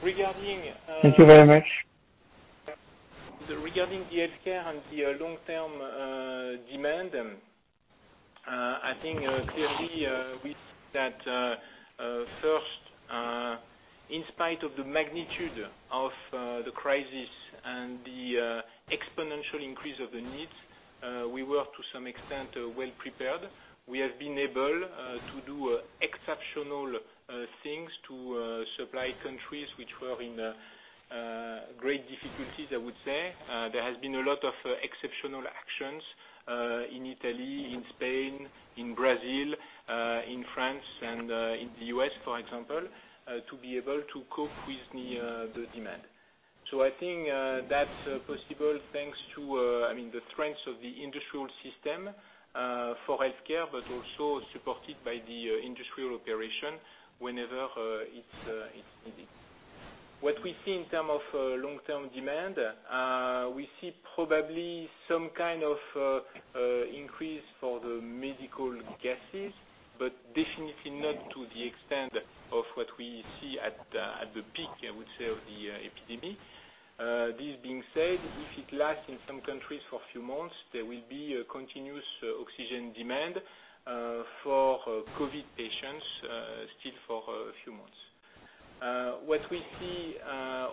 Thank you very much. Regarding the healthcare and the long-term demand, I think clearly we see that first, in spite of the magnitude of the crisis and the exponential increase of the needs, we were to some extent well-prepared. We have been able to do exceptional things to supply countries which were in great difficulties, I would say. There has been a lot of exceptional actions in Italy, in Spain, in Brazil, in France, and in the U.S., for example, to be able to cope with the demand. I think that's possible, thanks to the strength of the industrial system for healthcare, but also supported by the industrial operation whenever it's needed. What we see in term of long-term demand, we see probably some kind of increase for the medical gases, but definitely not to the extent of what we see at the peak, I would say, of the epidemic. This being said, if it lasts in some countries for a few months, there will be a continuous oxygen demand for COVID patients, still for a few months. What we see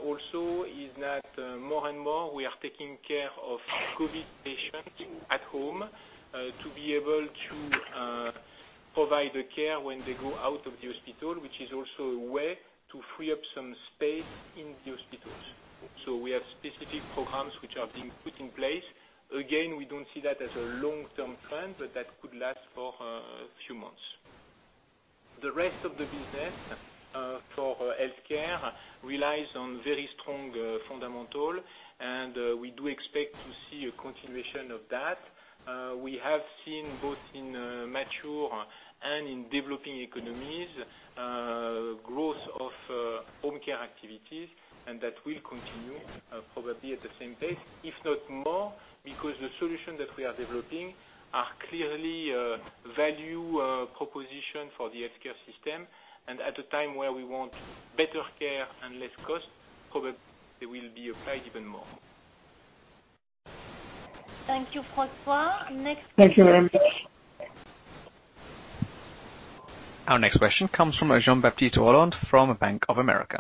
also is that more and more, we are taking care of COVID patients at home, to be able to provide the care when they go out of the hospital, which is also a way to free up some space in the hospitals. We have specific programs which are being put in place. Again, we don't see that as a long-term trend, but that could last for a few months. The rest of the business for healthcare relies on very strong fundamentals, and we do expect to see a continuation of that. We have seen both in mature and in developing economies, growth of home care activities, and that will continue probably at the same pace, if not more, because the solutions that we are developing are clearly value proposition for the healthcare system. At a time where we want better care and less cost, probably they will be applied even more. Thank you, François. Next question. Thank you very much. Our next question comes from Jean-Baptiste Rolland from Bank of America.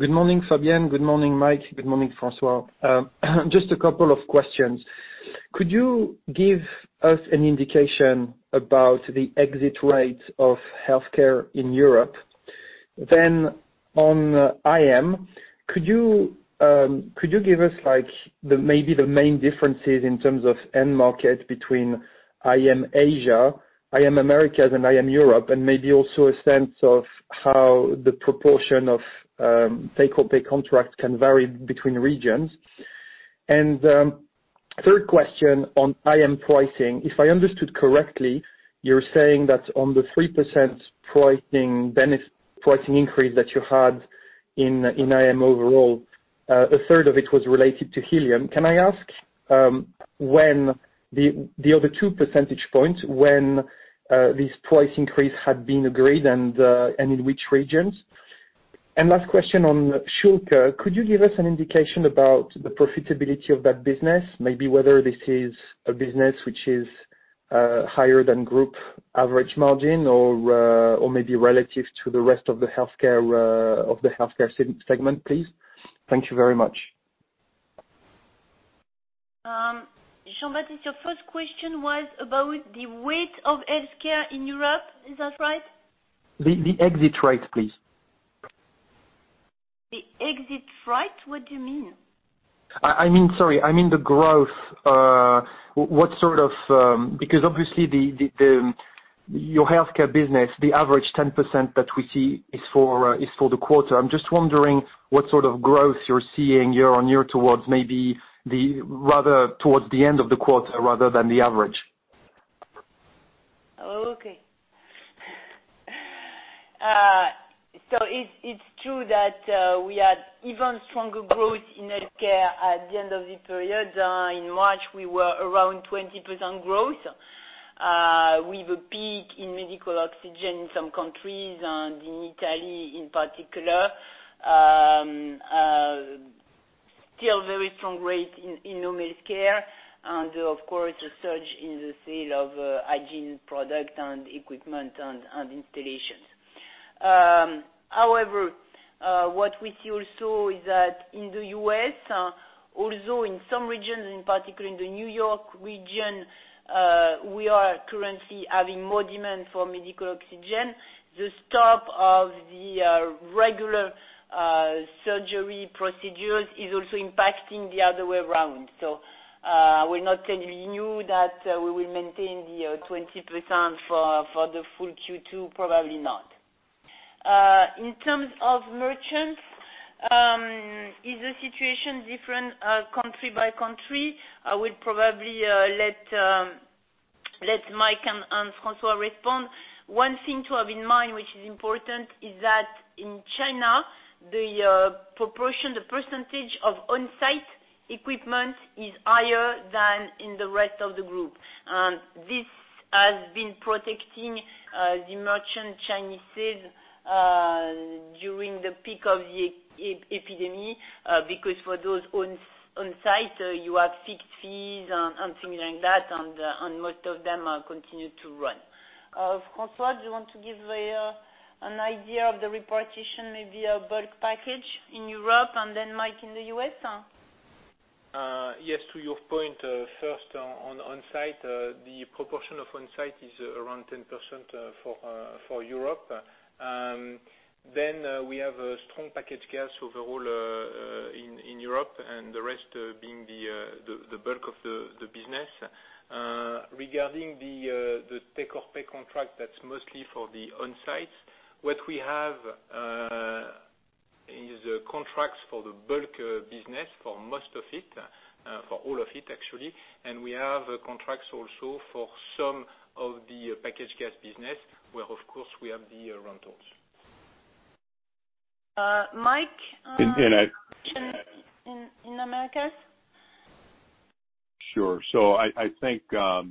Good morning, Fabienne. Good morning, Mike. Good morning, François. Just a couple of questions. Could you give us an indication about the exit rate of healthcare in Europe? On IM, could you give us maybe the main differences in terms of end market between IM Asia, IM Americas, and IM Europe, and maybe also a sense of how the proportion of take-or-pay contracts can vary between regions? Third question on IM pricing. If I understood correctly, you're saying that on the 3% pricing increase that you had in IM overall, 1/3 of it was related to helium. Can I ask, the other 2 percentage points, when this price increase had been agreed and in which regions? Last question on Schülke. Could you give us an indication about the profitability of that business? Maybe whether this is a business which is higher than group average margin or maybe relative to the rest of the healthcare segment, please. Thank you very much. Jean-Baptiste, your first question was about the weight of healthcare in Europe. Is that right? The exit rate, please. The exit rate? What do you mean? Sorry. I mean the growth. Obviously your healthcare business, the average 10% that we see is for the quarter. I'm just wondering what sort of growth you're seeing year-on-year towards maybe towards the end of the quarter rather than the average. It's true that we had even stronger growth in healthcare at the end of the period. In March, we were around 20% growth. With a peak in medical oxygen in some countries and in Italy in particular. Still very strong rate in home healthcare and, of course, a surge in the sale of hygiene product and equipment and installations. What we see also is that in the U.S., although in some regions, in particular in the New York region, we are currently having more demand for medical oxygen. The stop of the regular surgery procedures is also impacting the other way around. We're not telling you that we will maintain the 20% for the full Q2, probably not. In terms of Industrial Merchant, is the situation different country by country? I will probably let Mike and François respond. One thing to have in mind which is important is that in China, the percentage of onsite equipment is higher than in the rest of the group. This has been protecting the merchant Chinese sales during the peak of the epidemic, because for those on site, you have fixed fees and things like that, and most of them are continued to run. François, do you want to give an idea of the repartition, maybe a bulk package in Europe, and then Mike in the U.S.? To your point, first on-site, the proportion of on-site is around 10% for Europe. We have a strong packaged gas overall in Europe, and the rest being the bulk of the business. Regarding the take-or-pay contract, that's mostly for the on-site. What we have is contracts for the bulk business for most of it, for all of it, actually, and we have contracts also for some of the packaged gas business, where, of course, we have the rentals. Mike- In- In the Americas. Sure. I think,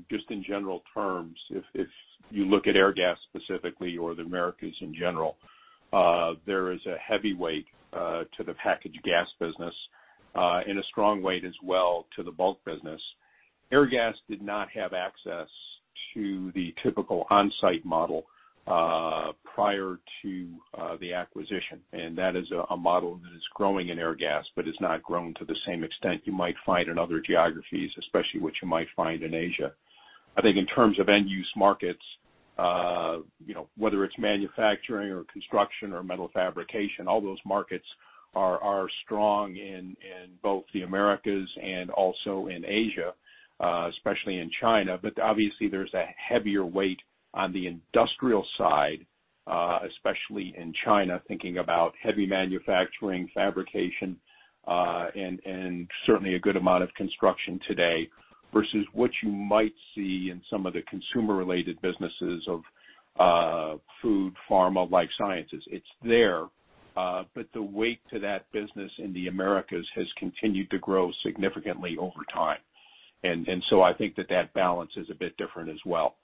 just in general terms, if you look at Airgas specifically or the Americas in general, there is a heavy weight to the packaged gas business, and a strong weight as well to the bulk business. Airgas did not have access to the typical on-site model prior to the acquisition. That is a model that is growing in Airgas, but it's not grown to the same extent you might find in other geographies, especially what you might find in Asia. I think in terms of end-use markets, whether it's manufacturing or construction or metal fabrication, all those markets are strong in both the Americas and also in Asia, especially in China. Obviously, there's a heavier weight on the industrial side, especially in China, thinking about heavy manufacturing, fabrication, and certainly a good amount of construction today, versus what you might see in some of the consumer-related businesses of food, pharma, life sciences. It's there, but the weight to that business in the Americas has continued to grow significantly over time. I think that that balance is a bit different as well.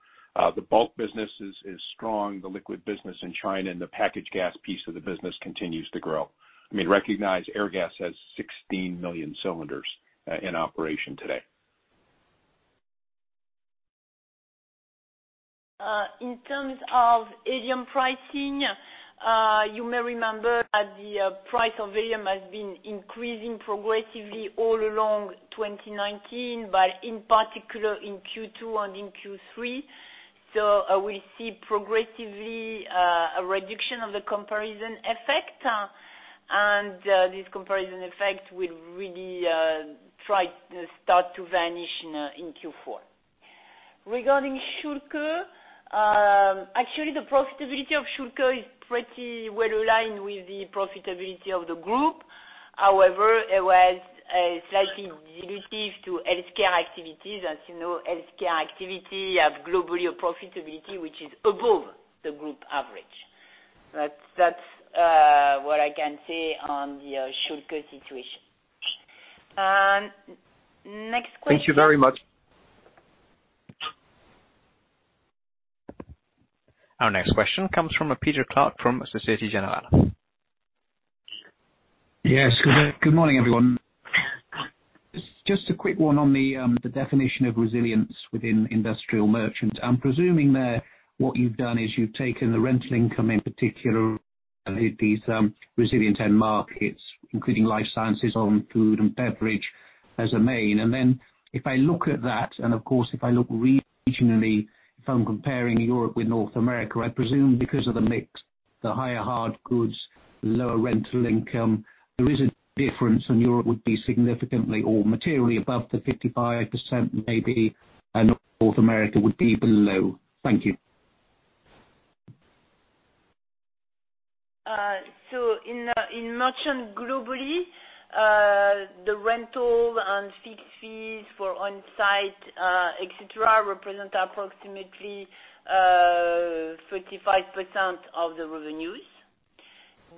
The bulk business is strong. The liquid business in China, and the packaged gas piece of the business continues to grow. I mean, recognize Airgas has 16 million cylinders in operation today. In terms of helium pricing, you may remember that the price of helium has been increasing progressively all along 2019, but in particular in Q2 and in Q3. We see progressively a reduction of the comparison effect, and this comparison effect will really start to vanish in Q4. Regarding Schülke, actually, the profitability of Schülke is pretty well aligned with the profitability of the group. However, it was slightly dilutive to healthcare activities. As you know, healthcare activity have globally a profitability which is above the group average. That's what I can say on the Schülke situation. Next question. Thank you very much. Our next question comes from Peter Clark from Societe Generale. Yes. Good morning, everyone. Just a quick one on the definition of resilience within Industrial Merchant. I'm presuming there what you've done is you've taken the rental income, in particular, these resilient end markets, including life sciences on food and beverage as a main. If I look at that, and of course, if I look regionally, if I'm comparing Europe with North America, I presume because of the mix, the higher hard goods, lower rental income, there is a difference, and Europe would be significantly or materially above the 55%, maybe, and North America would be below. Thank you. In merchant globally, the rental and fixed fees for on-site, et cetera, represent approximately 35% of the revenues.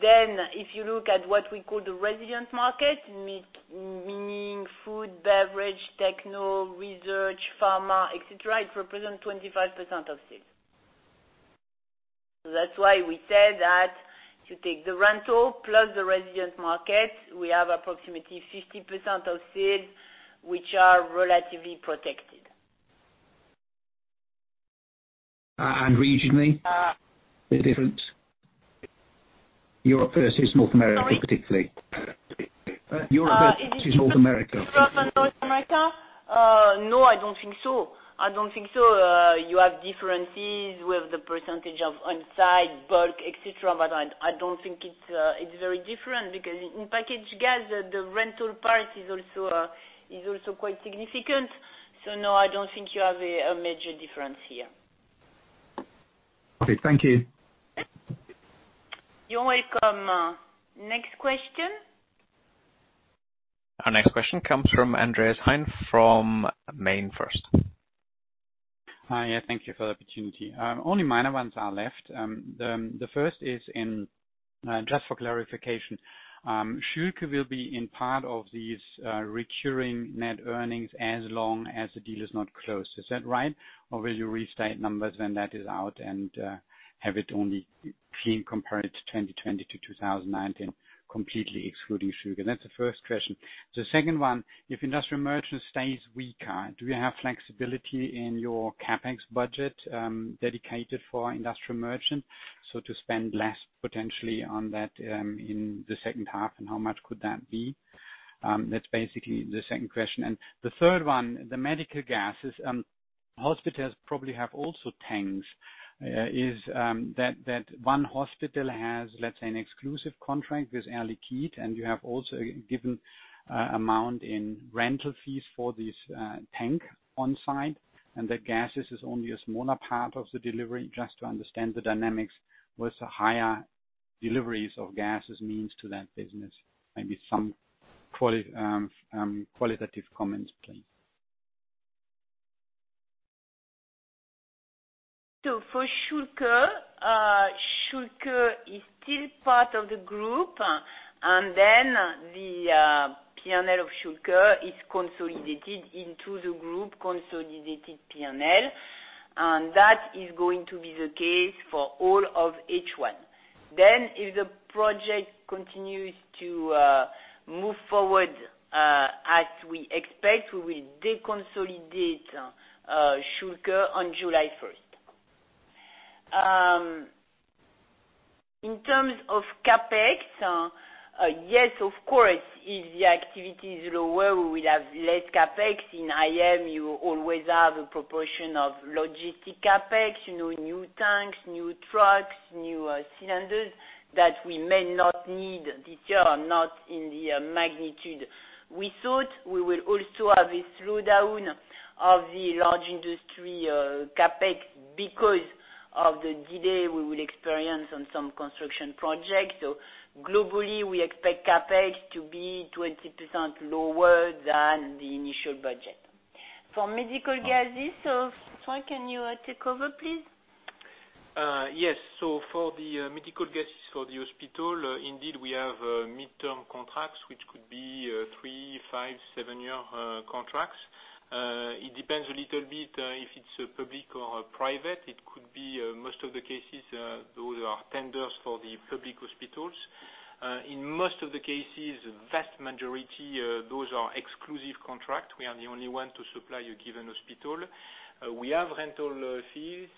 If you look at what we call the resilient market, meaning food, beverage, techno, research, pharma, et cetera, it represents 25% of sales. That's why we said that if you take the rental plus the resilient market, we have approximately 50% of sales which are relatively protected. Regionally, the difference? Europe versus North America, particularly. Sorry? Europe versus North America. Europe and North America? No, I don't think so. You have differences with the percentage of on-site, bulk, et cetera, but I don't think it's very different, because in packaged gas, the rental part is also quite significant. No, I don't think you have a major difference here. Okay. Thank you. You're welcome. Next question. Our next question comes from Andreas Hein from MainFirst. Hi. Yeah, thank you for the opportunity. Only minor ones are left. The first is, just for clarification, Schülke will be in part of these recurring net earnings as long as the deal is not closed. Is that right? Or will you restate numbers when that is out and have it only clean compared to 2020-2019, completely excluding Schülke? That's the first question. The second one, if Industrial Merchant stays weaker, do you have flexibility in your CapEx budget dedicated for Industrial Merchant, so to spend less potentially on that in the second half, and how much could that be? That's basically the second question. The third one, the medical gases. Hospitals probably have also tanks. Is that one hospital has, let's say, an exclusive contract with Air Liquide, and you have also given amount in rental fees for this tank on-site, and that gases is only a smaller part of the delivery, just to understand the dynamics, what the higher deliveries of gases means to that business? Maybe some qualitative comments, please. For Schülke is still part of the group, and then the P&L of Schülke is consolidated into the group consolidated P&L, and that is going to be the case for all of H1. If the project continues to move forward as we expect, we will deconsolidate Schülke on July 1st. In terms of CapEx, yes, of course, if the activity is lower, we will have less CapEx. In IM, you always have a proportion of logistic CapEx, new tanks, new trucks, new cylinders that we may not need this year or not in the magnitude we thought. We will also have a slowdown of the large industry CapEx because of the delay we will experience on some construction projects. Globally, we expect CapEx to be 20% lower than the initial budget. For medical gases, François, can you take over, please? Yes. For the medical gases for the hospital, indeed we have midterm contracts, which could be three-year, five-year, seven-year contracts. It depends a little bit if it's public or private. It could be, most of the cases, those are tenders for the public hospitals. In most of the cases, vast majority, those are exclusive contract. We are the only one to supply a given hospital. We have rental fees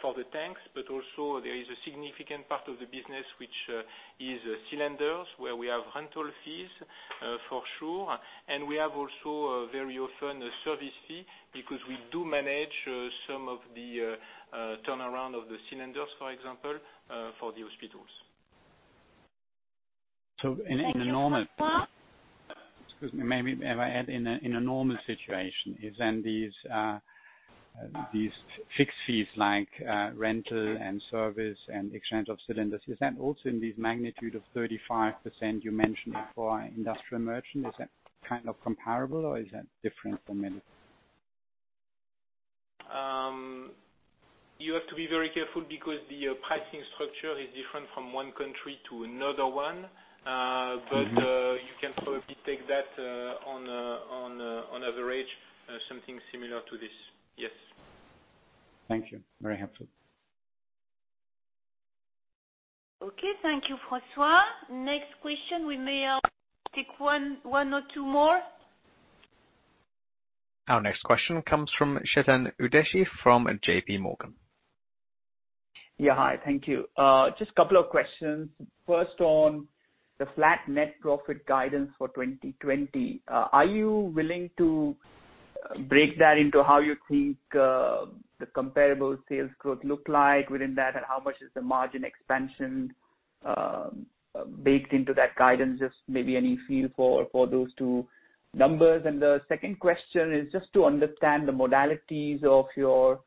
for the tanks, but also there is a significant part of the business which is cylinders, where we have rental fees for sure, and we have also very often a service fee because we do manage some of the turnaround of the cylinders, for example, for the hospitals. Thank you, François. Excuse me. May I add, in a normal situation, is then these fixed fees like rental and service and exchange of cylinders, is that also in this magnitude of 35% you mentioned for Industrial Merchant? Is that kind of comparable, or is that different from medical? You have to be very careful because the pricing structure is different from one country to another one. You can probably take that on average, something similar to this. Yes. Thank you. Very helpful. Okay. Thank you, François. Next question. We may take one or two more. Our next question comes from Chetan Udeshi from JPMorgan. Hi, thank you. Just couple of questions. First, on the flat net profit guidance for 2020, are you willing to break that into how you think the comparable sales growth look like within that, and how much is the margin expansion baked into that guidance? Just maybe any feel for those two numbers. The second question is just to understand the modalities of your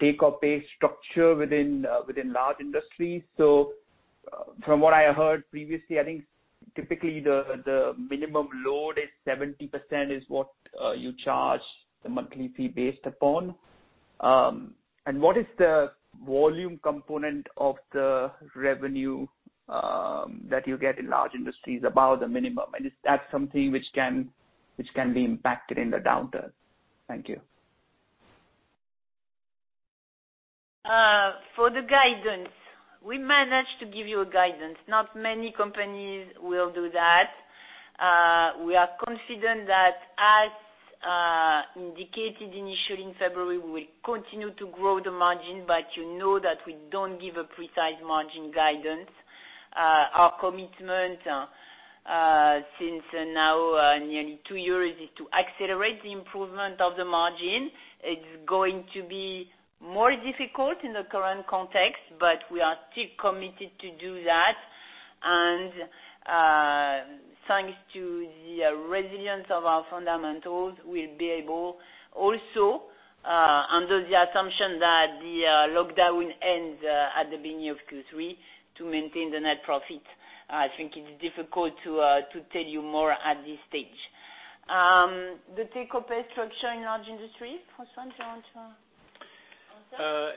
take-or-pay structure within Large Industries. From what I heard previously, I think typically the minimum load is 70% is what you charge the monthly fee based upon. What is the volume component of the revenue that you get in Large Industries above the minimum? Is that something which can be impacted in the downturn? Thank you. For the guidance, we managed to give you a guidance. Not many companies will do that. We are confident that, as indicated initially in February, we will continue to grow the margin, but you know that we don't give a precise margin guidance. Our commitment since now nearly two years is to accelerate the improvement of the margin. It's going to be more difficult in the current context, but we are still committed to do that, and thanks to the resilience of our fundamentals, we'll be able also, under the assumption that the lockdown ends at the beginning of Q3, to maintain the net profit. I think it's difficult to tell you more at this stage. The take-or-pay structure in Large Industries, François, do you want to?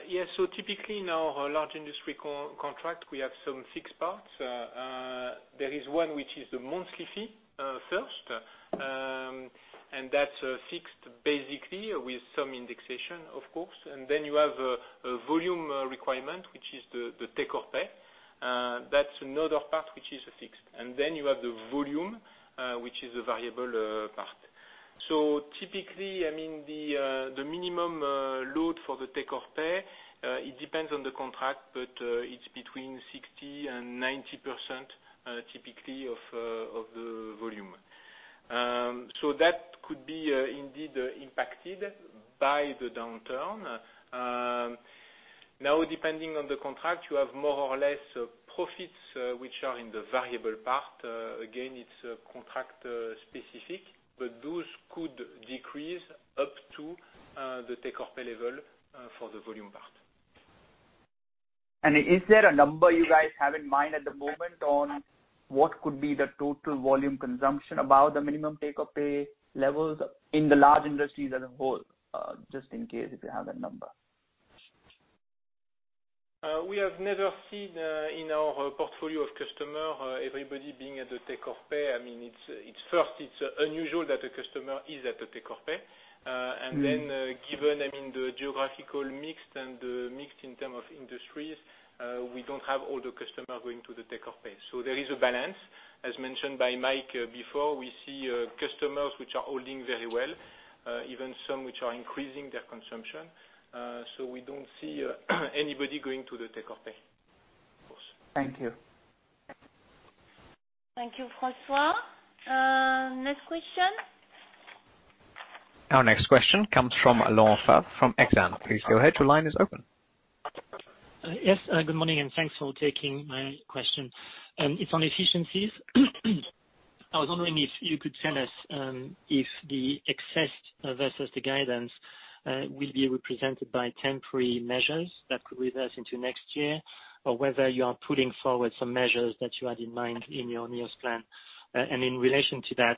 Yes. Typically, in our Large Industries contract, we have some fixed parts. There is one which is the monthly fee first, that's fixed basically with some indexation, of course. You have a volume requirement, which is the take-or-pay. That's another part which is fixed. You have the volume, which is a variable part. Typically, the minimum load for the take-or-pay, it depends on the contract, but it's between 60%-90%, typically, of the volume. That could be indeed impacted by the downturn. Now, depending on the contract, you have more or less profits which are in the variable part. Again, it's contract specific, but those could decrease up to the take-or-pay level for the volume part. Is there a number you guys have in mind at the moment on what could be the total volume consumption above the minimum take-or-pay levels in the Large Industries as a whole, just in case if you have that number? We have never seen in our portfolio of customers, everybody being at the take-or-pay. It's unusual that a customer is at the take-or-pay. Given the geographical mix and the mix in terms of industries, we don't have all the customers going to the take-or-pay. There is a balance. As mentioned by Mike before, we see customers which are holding very well, even some which are increasing their consumption. We don't see anybody going to the take-or-pay. Thank you. Thank you, François. Next question. Our next question comes from Laurent Favre from Exane BNP Paribas. Please go ahead. Your line is open. Yes, good morning, thanks for taking my question. It's on efficiencies. I was wondering if you could tell us if the excess versus the guidance will be represented by temporary measures that could reverse into next year, or whether you are putting forward some measures that you had in mind in your nearest plan. In relation to that,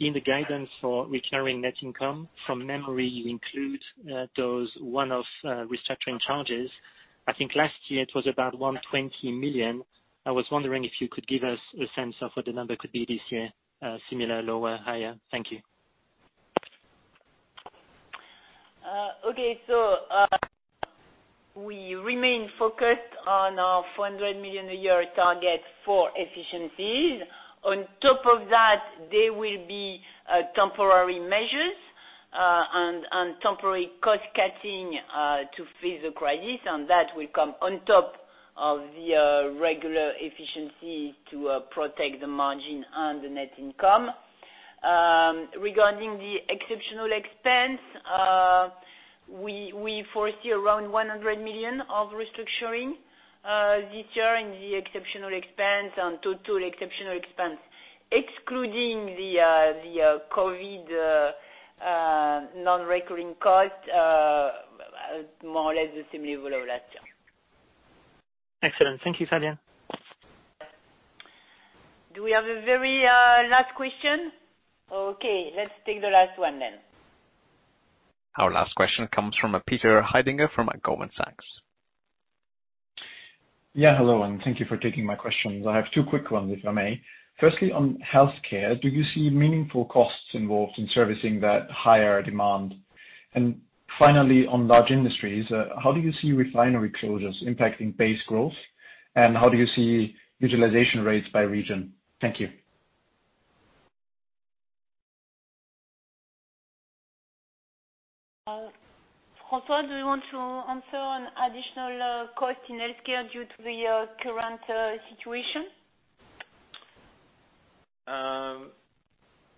in the guidance for recurring net income, from memory, you include those one-off restructuring charges. I think last year it was about 120 million. I was wondering if you could give us a sense of what the number could be this year. Similar, lower, higher? Thank you. We remain focused on our 400 million a year target for efficiencies. On top of that, there will be temporary measures and temporary cost-cutting to face the crisis, that will come on top of the regular efficiency to protect the margin and the net income. Regarding the exceptional expense, we foresee around 100 million of restructuring this year in the exceptional expense. Total exceptional expense, excluding the COVID-19 non-recurring cost, more or less the same level of last year. Excellent. Thank you, Fabienne. Do we have a very last question? Let's take the last one then. Our last question comes from Peter Haidinger from Goldman Sachs. Hello, and thank you for taking my questions. I have two quick ones, if I may. Firstly, on healthcare, do you see meaningful costs involved in servicing that higher demand? Finally, on Large Industries, how do you see refinery closures impacting base growth? How do you see utilization rates by region? Thank you. François, do you want to answer on additional cost in healthcare due to the current situation?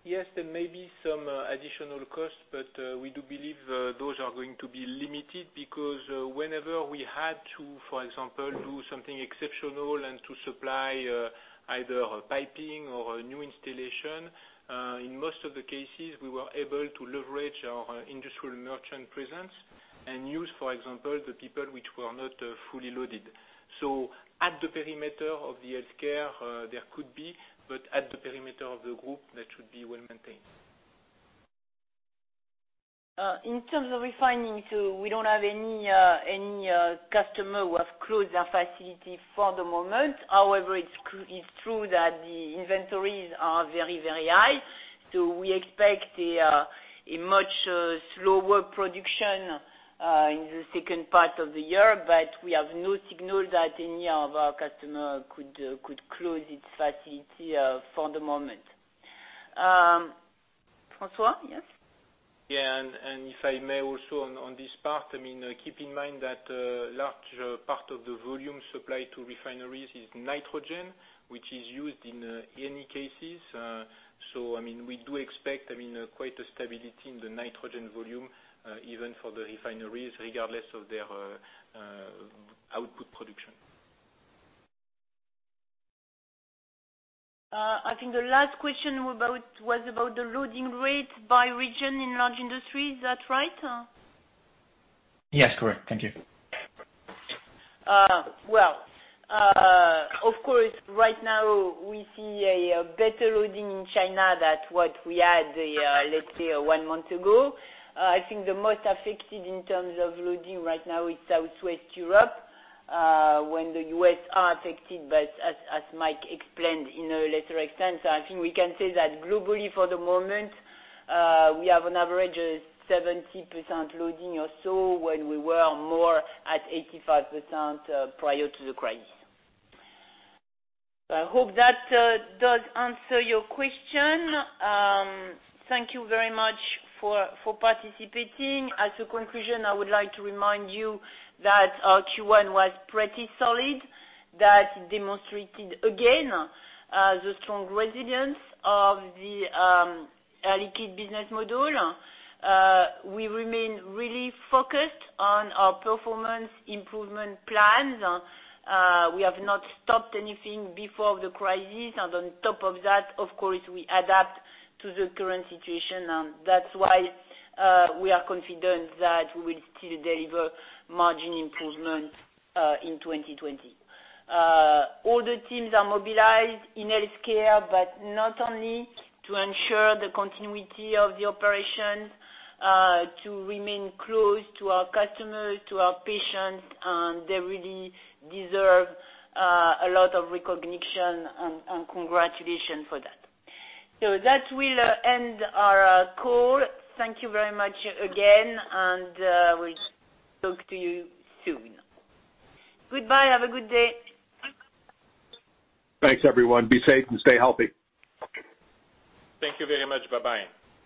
Yes, there may be some additional costs, but we do believe those are going to be limited because whenever we had to, for example, do something exceptional and to supply either piping or a new installation, in most of the cases, we were able to leverage our Industrial Merchant presence and use, for example, the people which were not fully loaded. At the perimeter of the healthcare, there could be, but at the perimeter of the group, that should be well maintained. In terms of refining, we don't have any customer who have closed their facility for the moment. However, it's true that the inventories are very high. We expect a much slower production in the second part of the year. We have no signal that any of our customer could close its facility for the moment. François, yes? Yeah. If I may also on this part, keep in mind that large part of the volume supplied to refineries is nitrogen, which is used in any cases. We do expect quite a stability in the nitrogen volume, even for the refineries, regardless of their output production. I think the last question was about the loading rate by region in Large Industries. Is that right? Yes, correct. Thank you. Well, of course, right now we see a better loading in China than what we had, let's say one month ago. I think the most affected in terms of loading right now is Southwest Europe. When the U.S. are affected, as Mike explained, to a lesser extent. I think we can say that globally for the moment, we have an average 70% loading or so when we were more at 85% prior to the crisis. I hope that does answer your question. Thank you very much for participating. As a conclusion, I would like to remind you that our Q1 was pretty solid, that it demonstrated again, the strong resilience of the Air Liquide business model. We remain really focused on our performance improvement plans. We have not stopped anything before the crisis. On top of that, of course, we adapt to the current situation, and that's why we are confident that we will still deliver margin improvement in 2020. All the teams are mobilized in healthcare, but not only to ensure the continuity of the operations, to remain close to our customers, to our patients. They really deserve a lot of recognition and congratulations for that. That will end our call. Thank you very much again, and we'll talk to you soon. Goodbye. Have a good day. Thanks, everyone. Be safe and stay healthy. Thank you very much. Bye-bye.